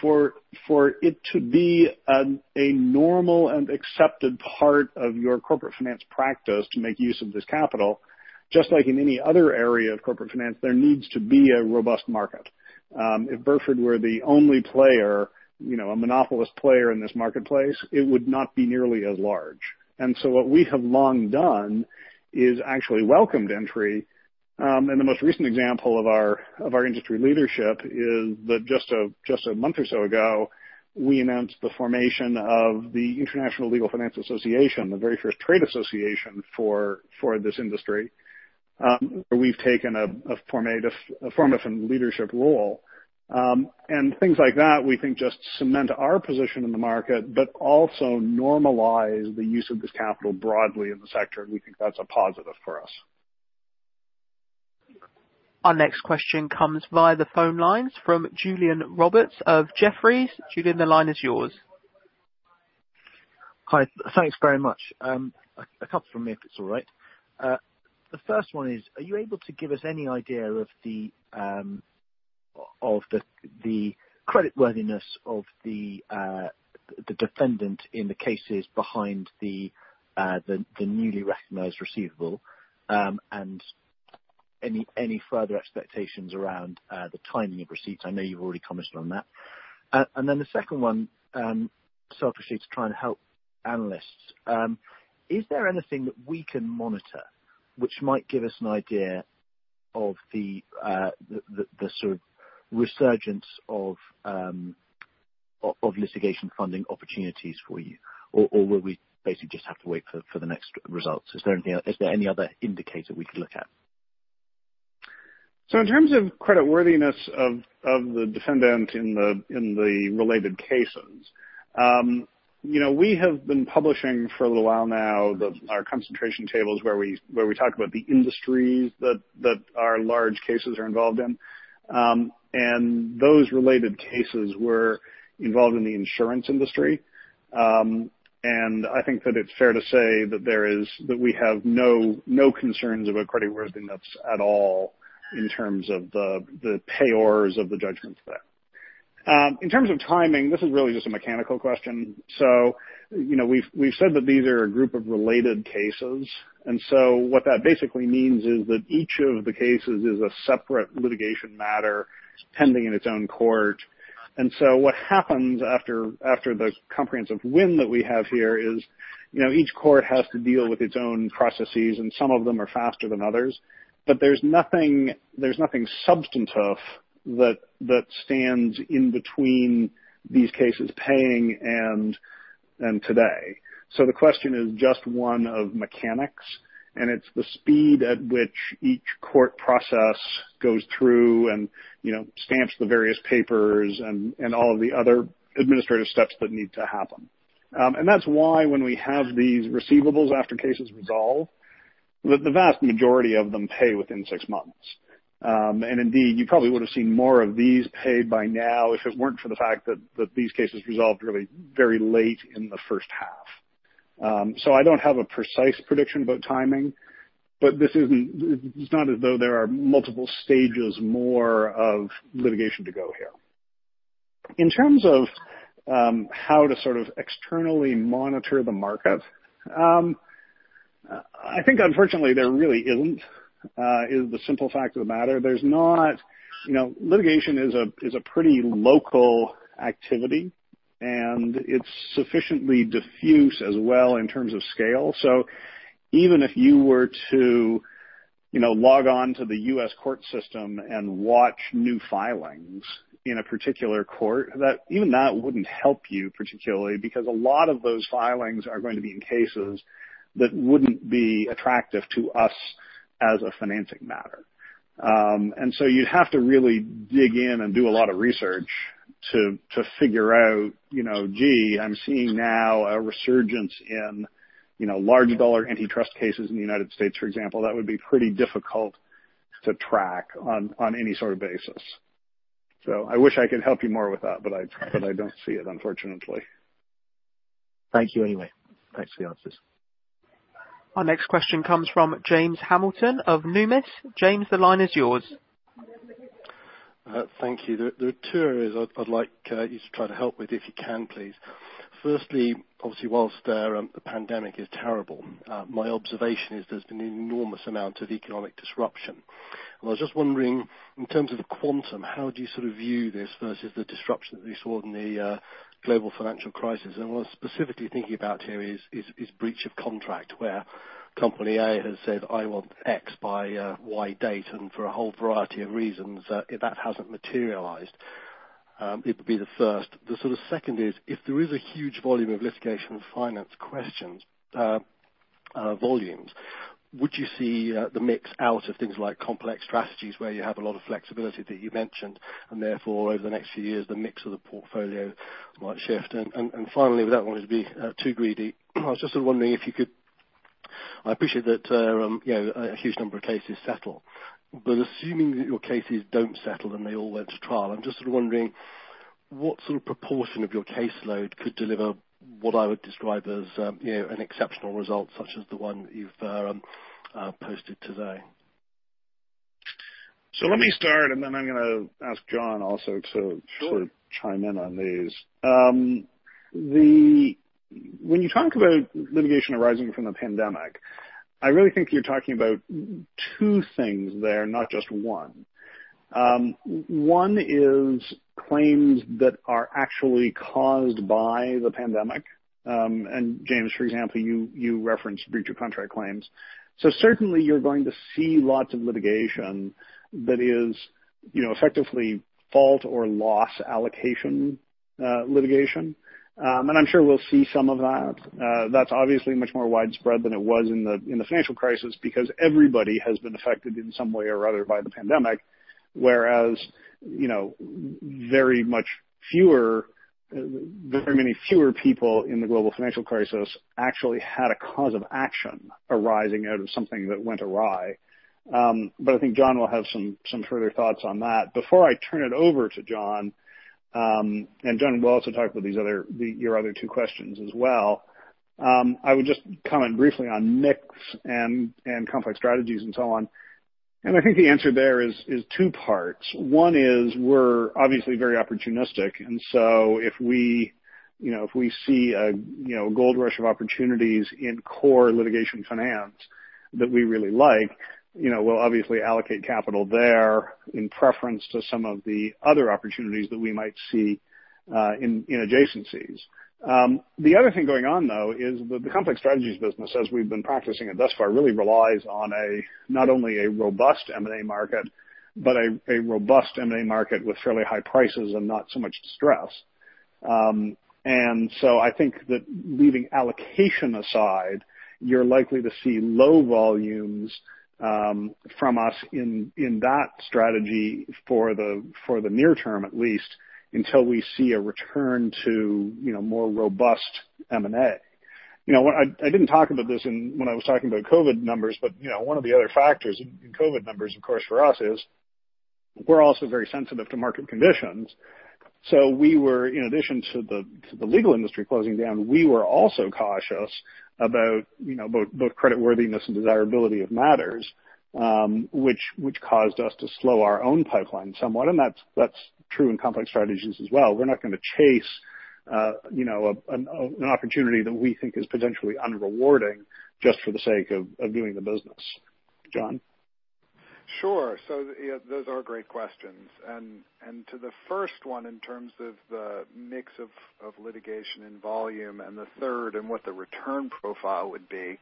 For it to be a normal and accepted part of your corporate finance practice to make use of this capital, just like in any other area of corporate finance, there needs to be a robust market. If Burford were the only player, a monopolist player in this marketplace, it would not be nearly as large. What we have long done is actually welcomed entry. The most recent example of our industry leadership is that just a month or so ago, we announced the formation of the International Legal Finance Association, the very first trade association for this industry, where we've taken a formative and leadership role. Things like that we think just cement our position in the market, but also normalize the use of this capital broadly in the sector. We think that's a positive for us. Our next question comes via the phone lines from Julian Roberts of Jefferies. Julian, the line is yours. Hi. Thanks very much. A couple from me, if it's all right. The first one is, are you able to give us any idea of the creditworthiness of the defendant in the cases behind the newly recognized receivable, and any further expectations around the timing of receipts? I know you've already commented on that. The second one, selfishly, to try and help analysts. Is there anything that we can monitor which might give us an idea of the sort of resurgence of litigation finance opportunities for you? Will we basically just have to wait for the next results? Is there any other indicator we could look at? In terms of creditworthiness of the defendant in the related cases, we have been publishing for a little while now our concentration tables where we talk about the industries that our large cases are involved in. Those related cases were involved in the insurance industry. I think that it's fair to say that we have no concerns about creditworthiness at all in terms of the payors of the judgments there. In terms of timing, this is really just a mechanical question. We've said that these are a group of related cases, what that basically means is that each of the cases is a separate litigation matter pending in its own court. What happens after the comprehensive win that we have here is, each court has to deal with its own processes, and some of them are faster than others. There's nothing substantive that stands in between these cases paying and today. The question is just one of mechanics, and it's the speed at which each court process goes through and stamps the various papers and all of the other administrative steps that need to happen. That's why when we have these receivables after cases resolve, the vast majority of them pay within six months. Indeed, you probably would have seen more of these paid by now if it weren't for the fact that these cases resolved really very late in the first half. I don't have a precise prediction about timing, but it's not as though there are multiple stages more of litigation to go here. In terms of how to sort of externally monitor the market, I think unfortunately there really isn't, is the simple fact of the matter. Litigation is a pretty local activity, and it's sufficiently diffuse as well in terms of scale. Even if you were to log on to the U.S. court system and watch new filings in a particular court, even that wouldn't help you particularly, because a lot of those filings are going to be in cases that wouldn't be attractive to us as a financing matter. You'd have to really dig in and do a lot of research to figure out, "Gee, I'm seeing now a resurgence in large dollar antitrust cases in the United States," for example. That would be pretty difficult to track on any sort of basis. I wish I could help you more with that, but I don't see it, unfortunately. Thank you anyway. Thanks for the answers. Our next question comes from James Hamilton of Numis. James, the line is yours. Thank you. There are two areas I'd like you to try to help with, if you can, please. Firstly, obviously, while the pandemic is terrible, my observation is there's been an enormous amount of economic disruption. I was just wondering, in terms of the quantum, how do you sort of view this versus the disruption that we saw in the global financial crisis? What I was specifically thinking about here is breach of contract, where company A has said, "I want X by Y date," and for a whole variety of reasons, that hasn't materialized. It would be the first. The sort of second is, if there is a huge volume of litigation and finance questions, volumes, would you see the mix out of things like complex strategies where you have a lot of flexibility that you mentioned, and therefore over the next few years, the mix of the portfolio might shift? Finally, without wanting to be too greedy, I appreciate that a huge number of cases settle, but assuming that your cases don't settle and they all went to trial, I'm just sort of wondering what sort of proportion of your caseload could deliver what I would describe as an exceptional result such as the one that you've posted today? Let me start, and then I'm going to ask Jon also to chime in on these. When you talk about litigation arising from the pandemic, I really think you're talking about two things there, not just one. One is claims that are actually caused by the pandemic. James, for example, you referenced breach of contract claims. Certainly you're going to see lots of litigation that is effectively fault or loss allocation litigation. I'm sure we'll see some of that. That's obviously much more widespread than it was in the financial crisis because everybody has been affected in some way or other by the pandemic, whereas very many fewer people in the global financial crisis actually had a cause of action arising out of something that went awry. I think Jon will have some further thoughts on that. Before I turn it over to Jon will also talk about your other two questions as well, I would just comment briefly on mix and Complex Strategies and so on. I think the answer there is two parts. One is we're obviously very opportunistic, if we see a gold rush of opportunities in core Litigation Finance that we really like, we'll obviously allocate capital there in preference to some of the other opportunities that we might see in adjacencies. The other thing going on, though, is the Complex Strategies business, as we've been practicing it thus far, really relies on not only a robust M&A market, but a robust M&A market with fairly high prices and not so much distress. I think that leaving allocation aside, you're likely to see low volumes from us in that strategy for the near term at least, until we see a return to more robust M&A. I didn't talk about this when I was talking about COVID numbers, but one of the other factors in COVID numbers, of course, for us is we're also very sensitive to market conditions. In addition to the legal industry closing down, we were also cautious about both creditworthiness and desirability of matters, which caused us to slow our own pipeline somewhat. That's true in complex strategies as well. We're not going to chase an opportunity that we think is potentially unrewarding just for the sake of doing the business. Jon? Sure. Those are great questions. To the first one, in terms of the mix of litigation and volume and the third and what the return profile would be,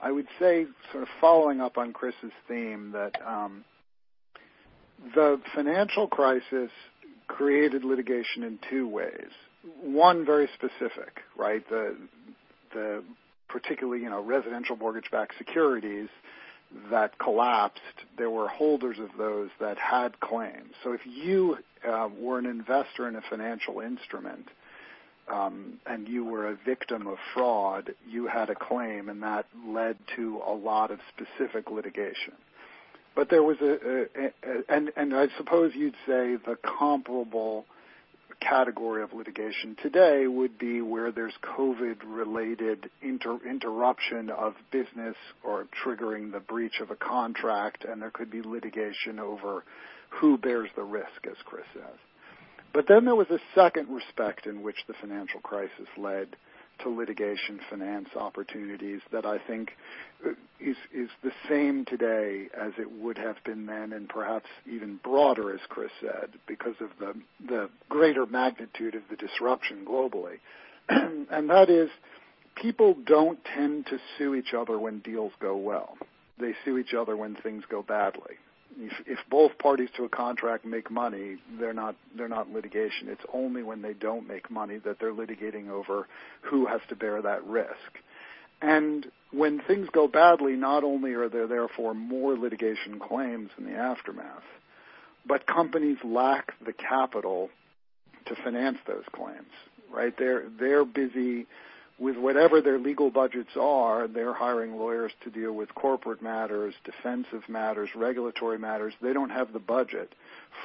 I would say sort of following up on Chris's theme, that the financial crisis created litigation in two ways. One very specific, right? The particularly residential mortgage-backed securities that collapsed, there were holders of those that had claims. If you were an investor in a financial instrument, and you were a victim of fraud, you had a claim, and that led to a lot of specific litigation. I suppose you'd say the comparable category of litigation today would be where there's COVID-related interruption of business or triggering the breach of a contract, and there could be litigation over who bears the risk, as Chris says. There was a second respect in which the financial crisis led to litigation finance opportunities that I think is the same today as it would have been then, and perhaps even broader, as Chris said, because of the greater magnitude of the disruption globally. That is, people don't tend to sue each other when deals go well. They sue each other when things go badly. If both parties to a contract make money, they're not in litigation. It's only when they don't make money that they're litigating over who has to bear that risk. When things go badly, not only are there therefore more litigation claims in the aftermath, but companies lack the capital to finance those claims, right? They're busy with whatever their legal budgets are. They're hiring lawyers to deal with corporate matters, defensive matters, regulatory matters. They don't have the budget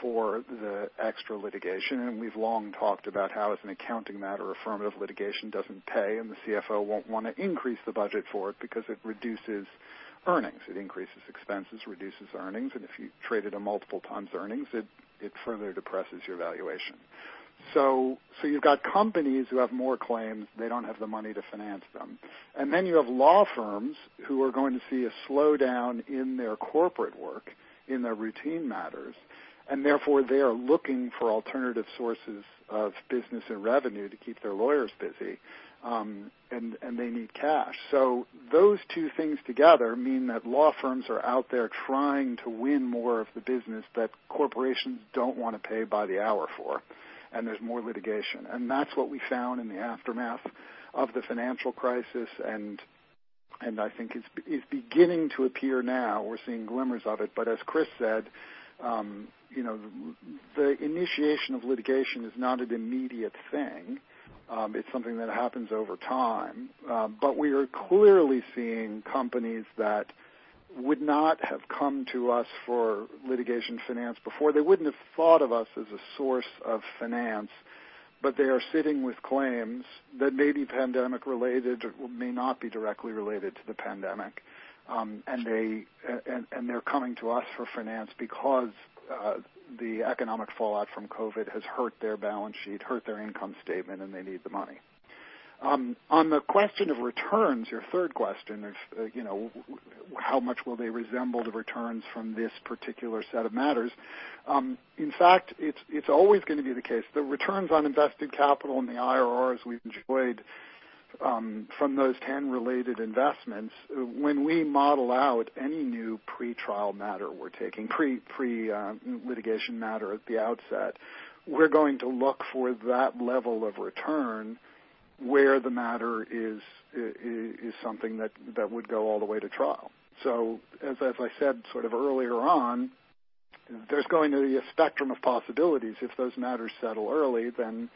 for the extra litigation. We've long talked about how, as an accounting matter, affirmative litigation doesn't pay, and the CFO won't want to increase the budget for it because it reduces earnings. It increases expenses, reduces earnings, and if you trade it on multiple times earnings, it further depresses your valuation. You've got companies who have more claims. They don't have the money to finance them. Then you have law firms who are going to see a slowdown in their corporate work, in their routine matters, and therefore, they are looking for alternative sources of business and revenue to keep their lawyers busy. They need cash. Those two things together mean that law firms are out there trying to win more of the business that corporations don't want to pay by the hour for, and there's more litigation. That's what we found in the aftermath of the financial crisis, and I think is beginning to appear now. We're seeing glimmers of it. As Chris said, the initiation of litigation is not an immediate thing. It's something that happens over time. We are clearly seeing companies that would not have come to us for litigation finance before. They wouldn't have thought of us as a source of finance. They are sitting with claims that may be pandemic-related or may not be directly related to the pandemic. They're coming to us for finance because the economic fallout from COVID has hurt their balance sheet, hurt their income statement, and they need the money. On the question of returns, your third question, how much will they resemble the returns from this particular set of matters? In fact, it's always going to be the case that returns on invested capital and the IRRs we've enjoyed from those 10 related investments, when we model out any new pre-trial matter we're taking, pre-litigation matter at the outset, we're going to look for that level of return where the matter is something that would go all the way to trial. As I said earlier on, there's going to be a spectrum of possibilities. If those matters settle early, then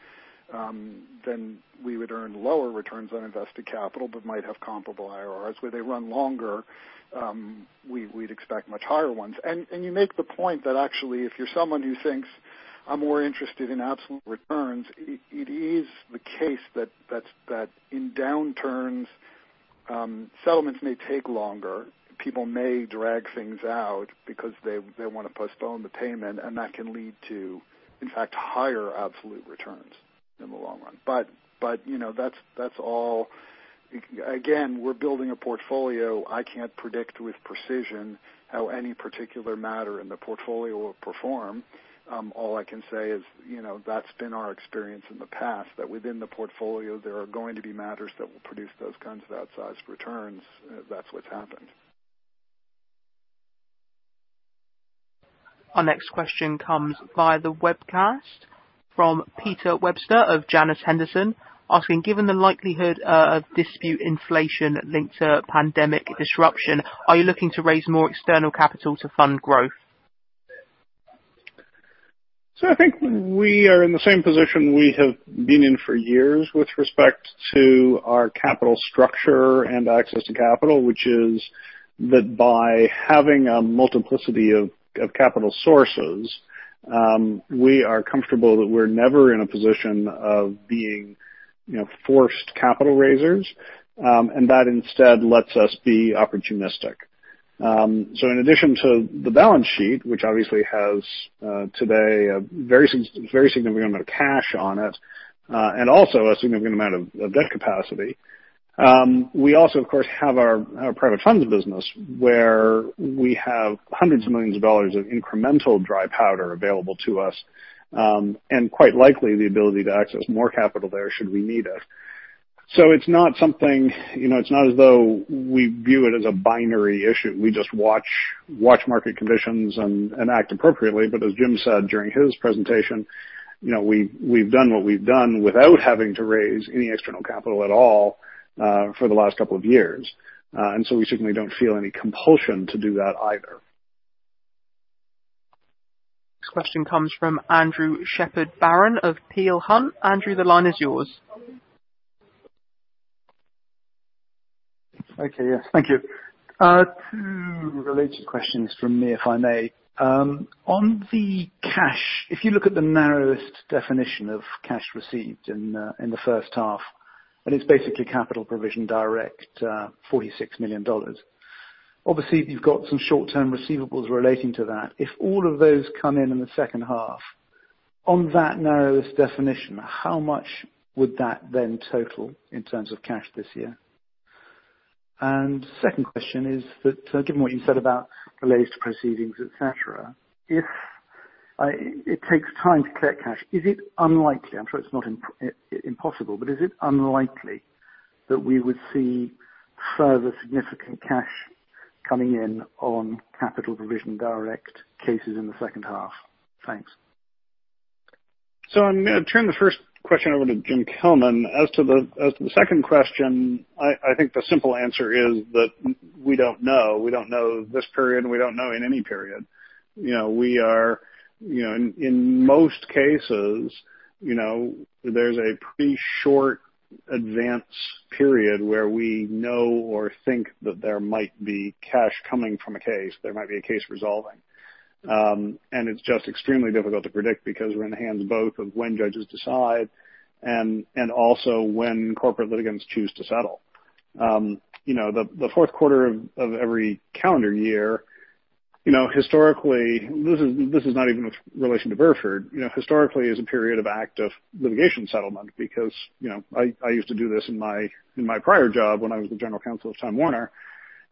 we would earn lower returns on invested capital but might have comparable IRRs. Where they run longer, we'd expect much higher ones. You make the point that actually, if you're someone who thinks, "I'm more interested in absolute returns," it is the case that in downturns, settlements may take longer. People may drag things out because they want to postpone the payment, that can lead to, in fact, higher absolute returns in the long run. Again, we're building a portfolio. I can't predict with precision how any particular matter in the portfolio will perform. All I can say is that's been our experience in the past, that within the portfolio, there are going to be matters that will produce those kinds of outsized returns. That's what's happened. Our next question comes via the webcast from Peter Webster of Janus Henderson asking, given the likelihood of dispute inflation linked to pandemic disruption, are you looking to raise more external capital to fund growth? I think we are in the same position we have been in for years with respect to our capital structure and access to capital, which is that by having a multiplicity of capital sources, we are comfortable that we're never in a position of being forced capital raisers, and that instead lets us be opportunistic. In addition to the balance sheet, which obviously has today a very significant amount of cash on it, and also a significant amount of debt capacity, we also, of course, have our private funds business, where we have hundreds of millions of incremental dry powder available to us, and quite likely the ability to access more capital there should we need it. It's not as though we view it as a binary issue. We just watch market conditions and act appropriately. As Jim said during his presentation, we've done what we've done without having to raise any external capital at all for the last couple of years. We certainly don't feel any compulsion to do that either. This question comes from Andrew Shepherd-Barron of Peel Hunt. Andrew, the line is yours. Okay, yeah. Thank you. Two related questions from me, if I may. On the cash, if you look at the narrowest definition of cash received in the first half, it's basically capital provision-direct, $46 million. Obviously, you've got some short-term receivables relating to that. If all of those come in in the second half, on that narrowest definition, how much would that then total in terms of cash this year? Second question is that, given what you said about related proceedings, et cetera, it takes time to collect cash. Is it unlikely, I'm sure it's not impossible, but is it unlikely that we would see further significant cash coming in on capital provision-direct cases in the second half? Thanks. I'm going to turn the first question over to Jim Kilman. As to the second question, I think the simple answer is that we don't know. We don't know this period, and we don't know in any period. In most cases, there's a pretty short advance period where we know or think that there might be cash coming from a case, there might be a case resolving. It's just extremely difficult to predict because we're in the hands both of when judges decide and also when corporate litigants choose to settle. The fourth quarter of every calendar year, historically, this is not even with relation to Burford, historically, is a period of active litigation settlement because I used to do this in my prior job when I was the general counsel of Time Warner.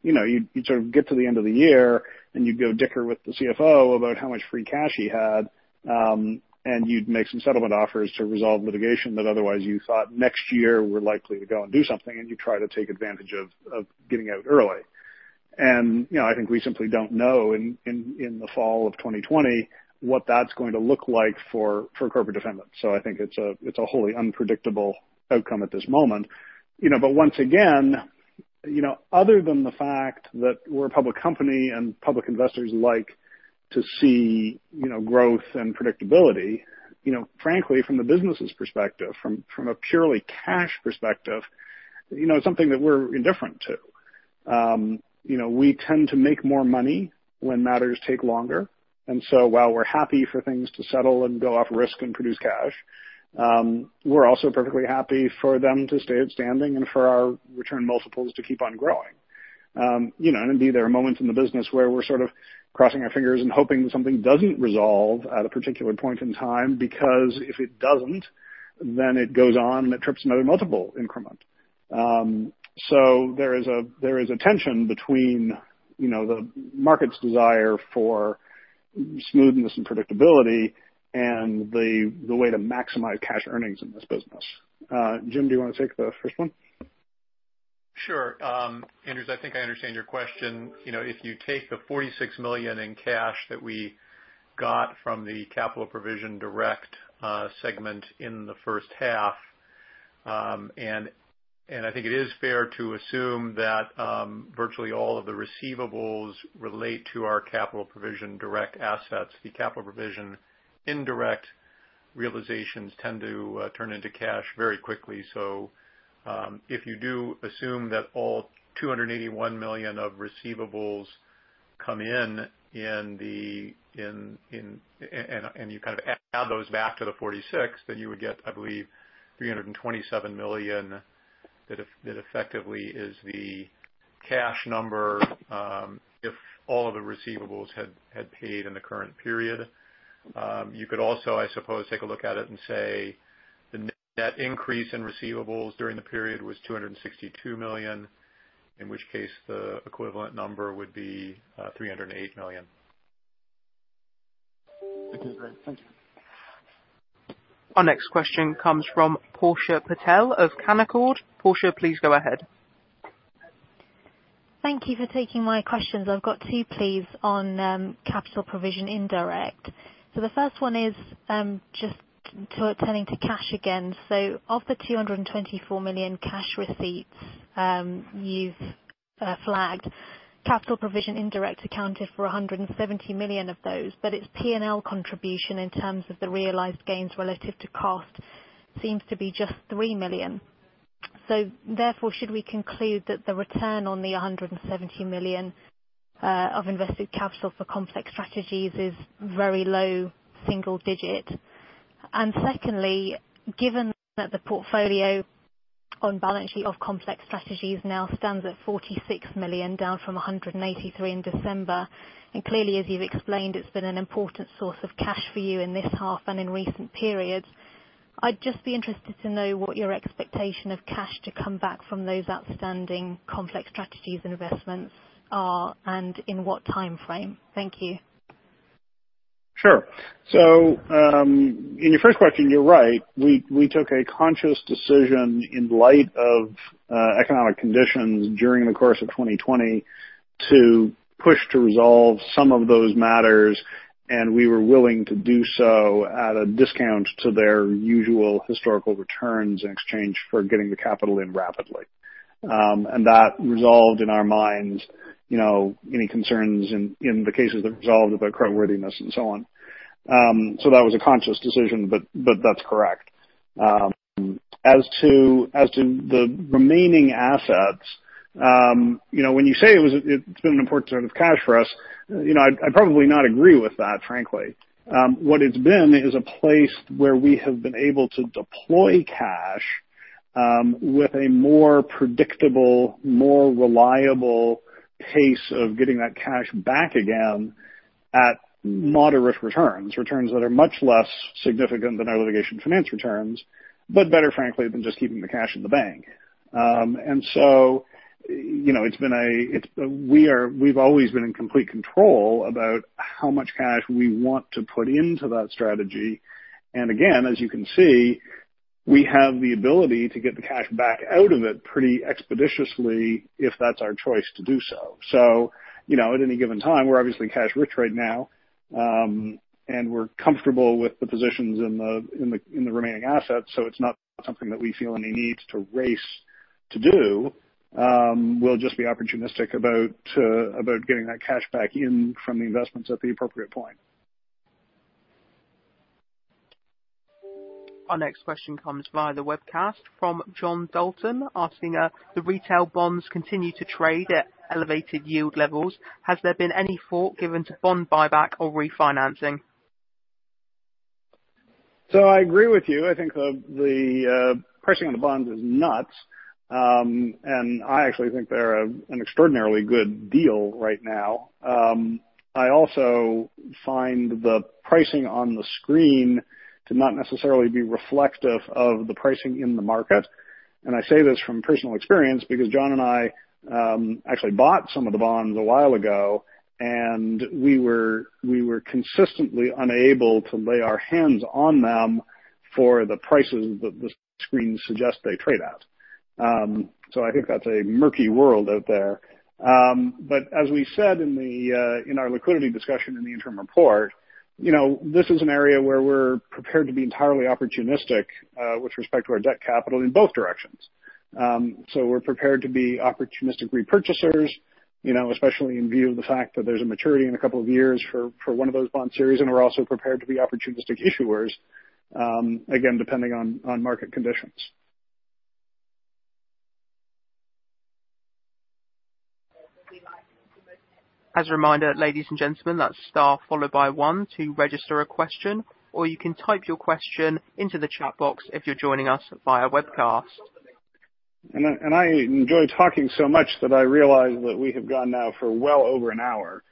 You'd sort of get to the end of the year, and you'd go dicker with the CFO about how much free cash he had, and you'd make some settlement offers to resolve litigation that otherwise you thought next year were likely to go and do something, and you try to take advantage of getting out early. I think we simply don't know in the fall of 2020 what that's going to look like for corporate defendants. I think it's a wholly unpredictable outcome at this moment. Once again, other than the fact that we're a public company and public investors like to see growth and predictability. Frankly, from the business' perspective, from a purely cash perspective, it's something that we're indifferent to. We tend to make more money when matters take longer. While we're happy for things to settle and go off risk and produce cash, we're also perfectly happy for them to stay outstanding and for our return multiples to keep on growing. Indeed, there are moments in the business where we're sort of crossing our fingers and hoping something doesn't resolve at a particular point in time because if it doesn't, then it goes on and trips another multiple increment. There is a tension between the market's desire for smoothness and predictability and the way to maximize cash earnings in this business. Jim, do you want to take the first one? Sure. Andrew, I think I understand your question. If you take the $46 million in cash that we got from the capital provision-direct segment in the first half, I think it is fair to assume that virtually all of the receivables relate to our capital provision-direct assets. The capital provision-indirect realizations tend to turn into cash very quickly. If you do assume that all $281 million of receivables come in, you add those back to the $46, you would get, I believe, $327 million that effectively is the cash number if all of the receivables had paid in the current period. You could also, I suppose, take a look at it and say the net increase in receivables during the period was $262 million, in which case the equivalent number would be $308 million. Okay, great. Thank you. Our next question comes from Portia Patel of Canaccord. Portia, please go ahead. Thank you for taking my questions. I've got two, please, on Capital Provision-Indirect. The first one is just turning to cash again. Of the $224 million cash receipts you've flagged, Capital Provision-Indirect accounted for $170 million of those, but its P&L contribution in terms of the realized gains relative to cost seems to be just $3 million. Therefore, should we conclude that the return on the $170 million of invested capital for Complex Strategies is very low single digit? Secondly, given that the on balance sheet of Complex Strategies now stands at 46 million, down from $183 in December, and clearly, as you've explained, it has been an important source of cash for you in this half and in recent periods. I'd just be interested to know what your expectation of cash to come back from those outstanding complex strategies and investments are, and in what timeframe. Thank you. Sure. In your first question, you're right. We took a conscious decision in light of economic conditions during the course of 2020 to push to resolve some of those matters, and we were willing to do so at a discount to their usual historical returns in exchange for getting the capital in rapidly. That resolved in our minds any concerns in the cases that resolved about creditworthiness and so on. That was a conscious decision, but that's correct. As to the remaining assets, when you say it's been an important source of cash for us, I'd probably not agree with that, frankly. What it's been is a place where we have been able to deploy cash with a more predictable, more reliable pace of getting that cash back again at moderate returns. Returns that are much less significant than our litigation finance returns, but better, frankly, than just keeping the cash in the bank. We've always been in complete control about how much cash we want to put into that strategy. Again, as you can see, we have the ability to get the cash back out of it pretty expeditiously if that's our choice to do so. At any given time, we're obviously cash-rich right now. We're comfortable with the positions in the remaining assets, so it's not something that we feel any need to race to do. We'll just be opportunistic about getting that cash back in from the investments at the appropriate point. Our next question comes via the webcast from John Dalton asking, the retail bonds continue to trade at elevated yield levels. Has there been any thought given to bond buyback or refinancing? I agree with you. I think the pricing on the bonds is nuts. I actually think they're an extraordinarily good deal right now. I also find the pricing on the screen to not necessarily be reflective of the pricing in the market. I say this from personal experience because Jon and I actually bought some of the bonds a while ago, and we were consistently unable to lay our hands on them for the prices that the screens suggest they trade at. I think that's a murky world out there. As we said in our liquidity discussion in the interim report, this is an area where we're prepared to be entirely opportunistic with respect to our debt capital in both directions. We're prepared to be opportunistic repurchasers, especially in view of the fact that there's a maturity in a couple of years for one of those bond series, and we're also prepared to be opportunistic issuers, again, depending on market conditions. As a reminder, ladies and gentlemen, that is star followed by one to register a question, or you can type your question into the chat box if you are joining us via webcast. I enjoy talking so much that I realize that we have gone now for well over an hour.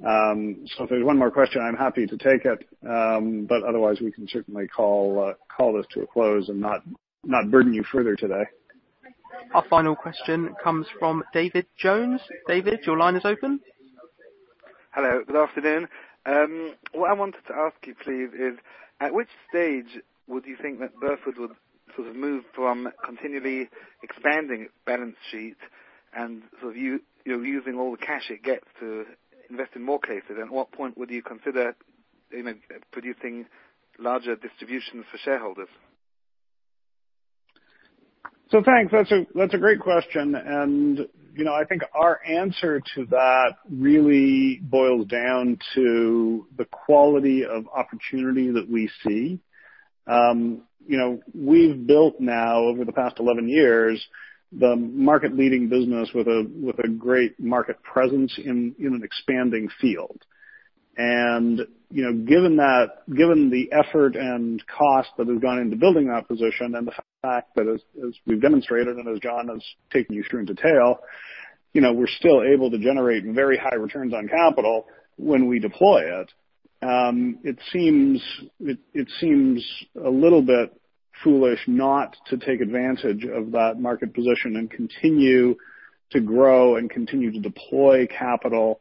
If there's one more question, I'm happy to take it. Otherwise, we can certainly call this to a close and not burden you further today. Our final question comes from David Jones. David, your line is open. Hello. Good afternoon. What I wanted to ask you, please, is at which stage would you think that Burford would sort of move from continually expanding its balance sheet and sort of using all the cash it gets to invest in more cases? At what point would you consider producing larger distributions for shareholders? Thanks. That's a great question. I think our answer to that really boils down to the quality of opportunity that we see. We've built now, over the past 11 years, the market-leading business with a great market presence in an expanding field. Given the effort and cost that has gone into building that position and the fact that, as we've demonstrated and as Jon has taken you through in detail, we're still able to generate very high returns on capital when we deploy it. It seems a little bit foolish not to take advantage of that market position and continue to grow and continue to deploy capital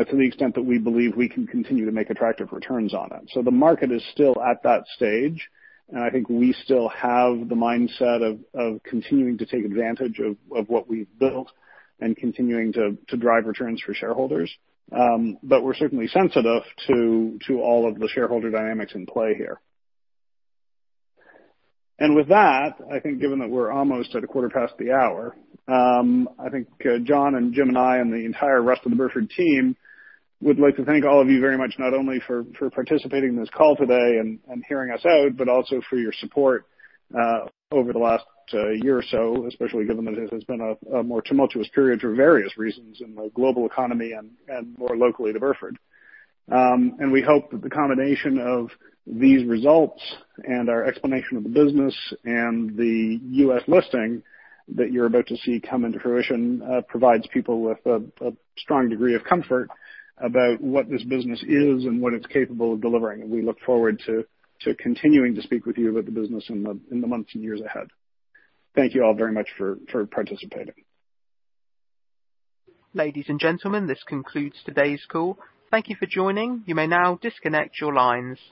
to the extent that we believe we can continue to make attractive returns on it. The market is still at that stage, and I think we still have the mindset of continuing to take advantage of what we've built and continuing to drive returns for shareholders. We're certainly sensitive to all of the shareholder dynamics in play here. With that, I think given that we're almost at a quarter past the hour, I think Jon and Jim and I and the entire rest of the Burford team would like to thank all of you very much, not only for participating in this call today and hearing us out, but also for your support over the last year or so, especially given that it has been a more tumultuous period for various reasons in the global economy and more locally to Burford. We hope that the combination of these results and our explanation of the business and the U.S. listing that you're about to see come into fruition provides people with a strong degree of comfort about what this business is and what it's capable of delivering. We look forward to continuing to speak with you about the business in the months and years ahead. Thank you all very much for participating. Ladies and gentlemen, this concludes today's call. Thank you for joining. You may now disconnect your lines.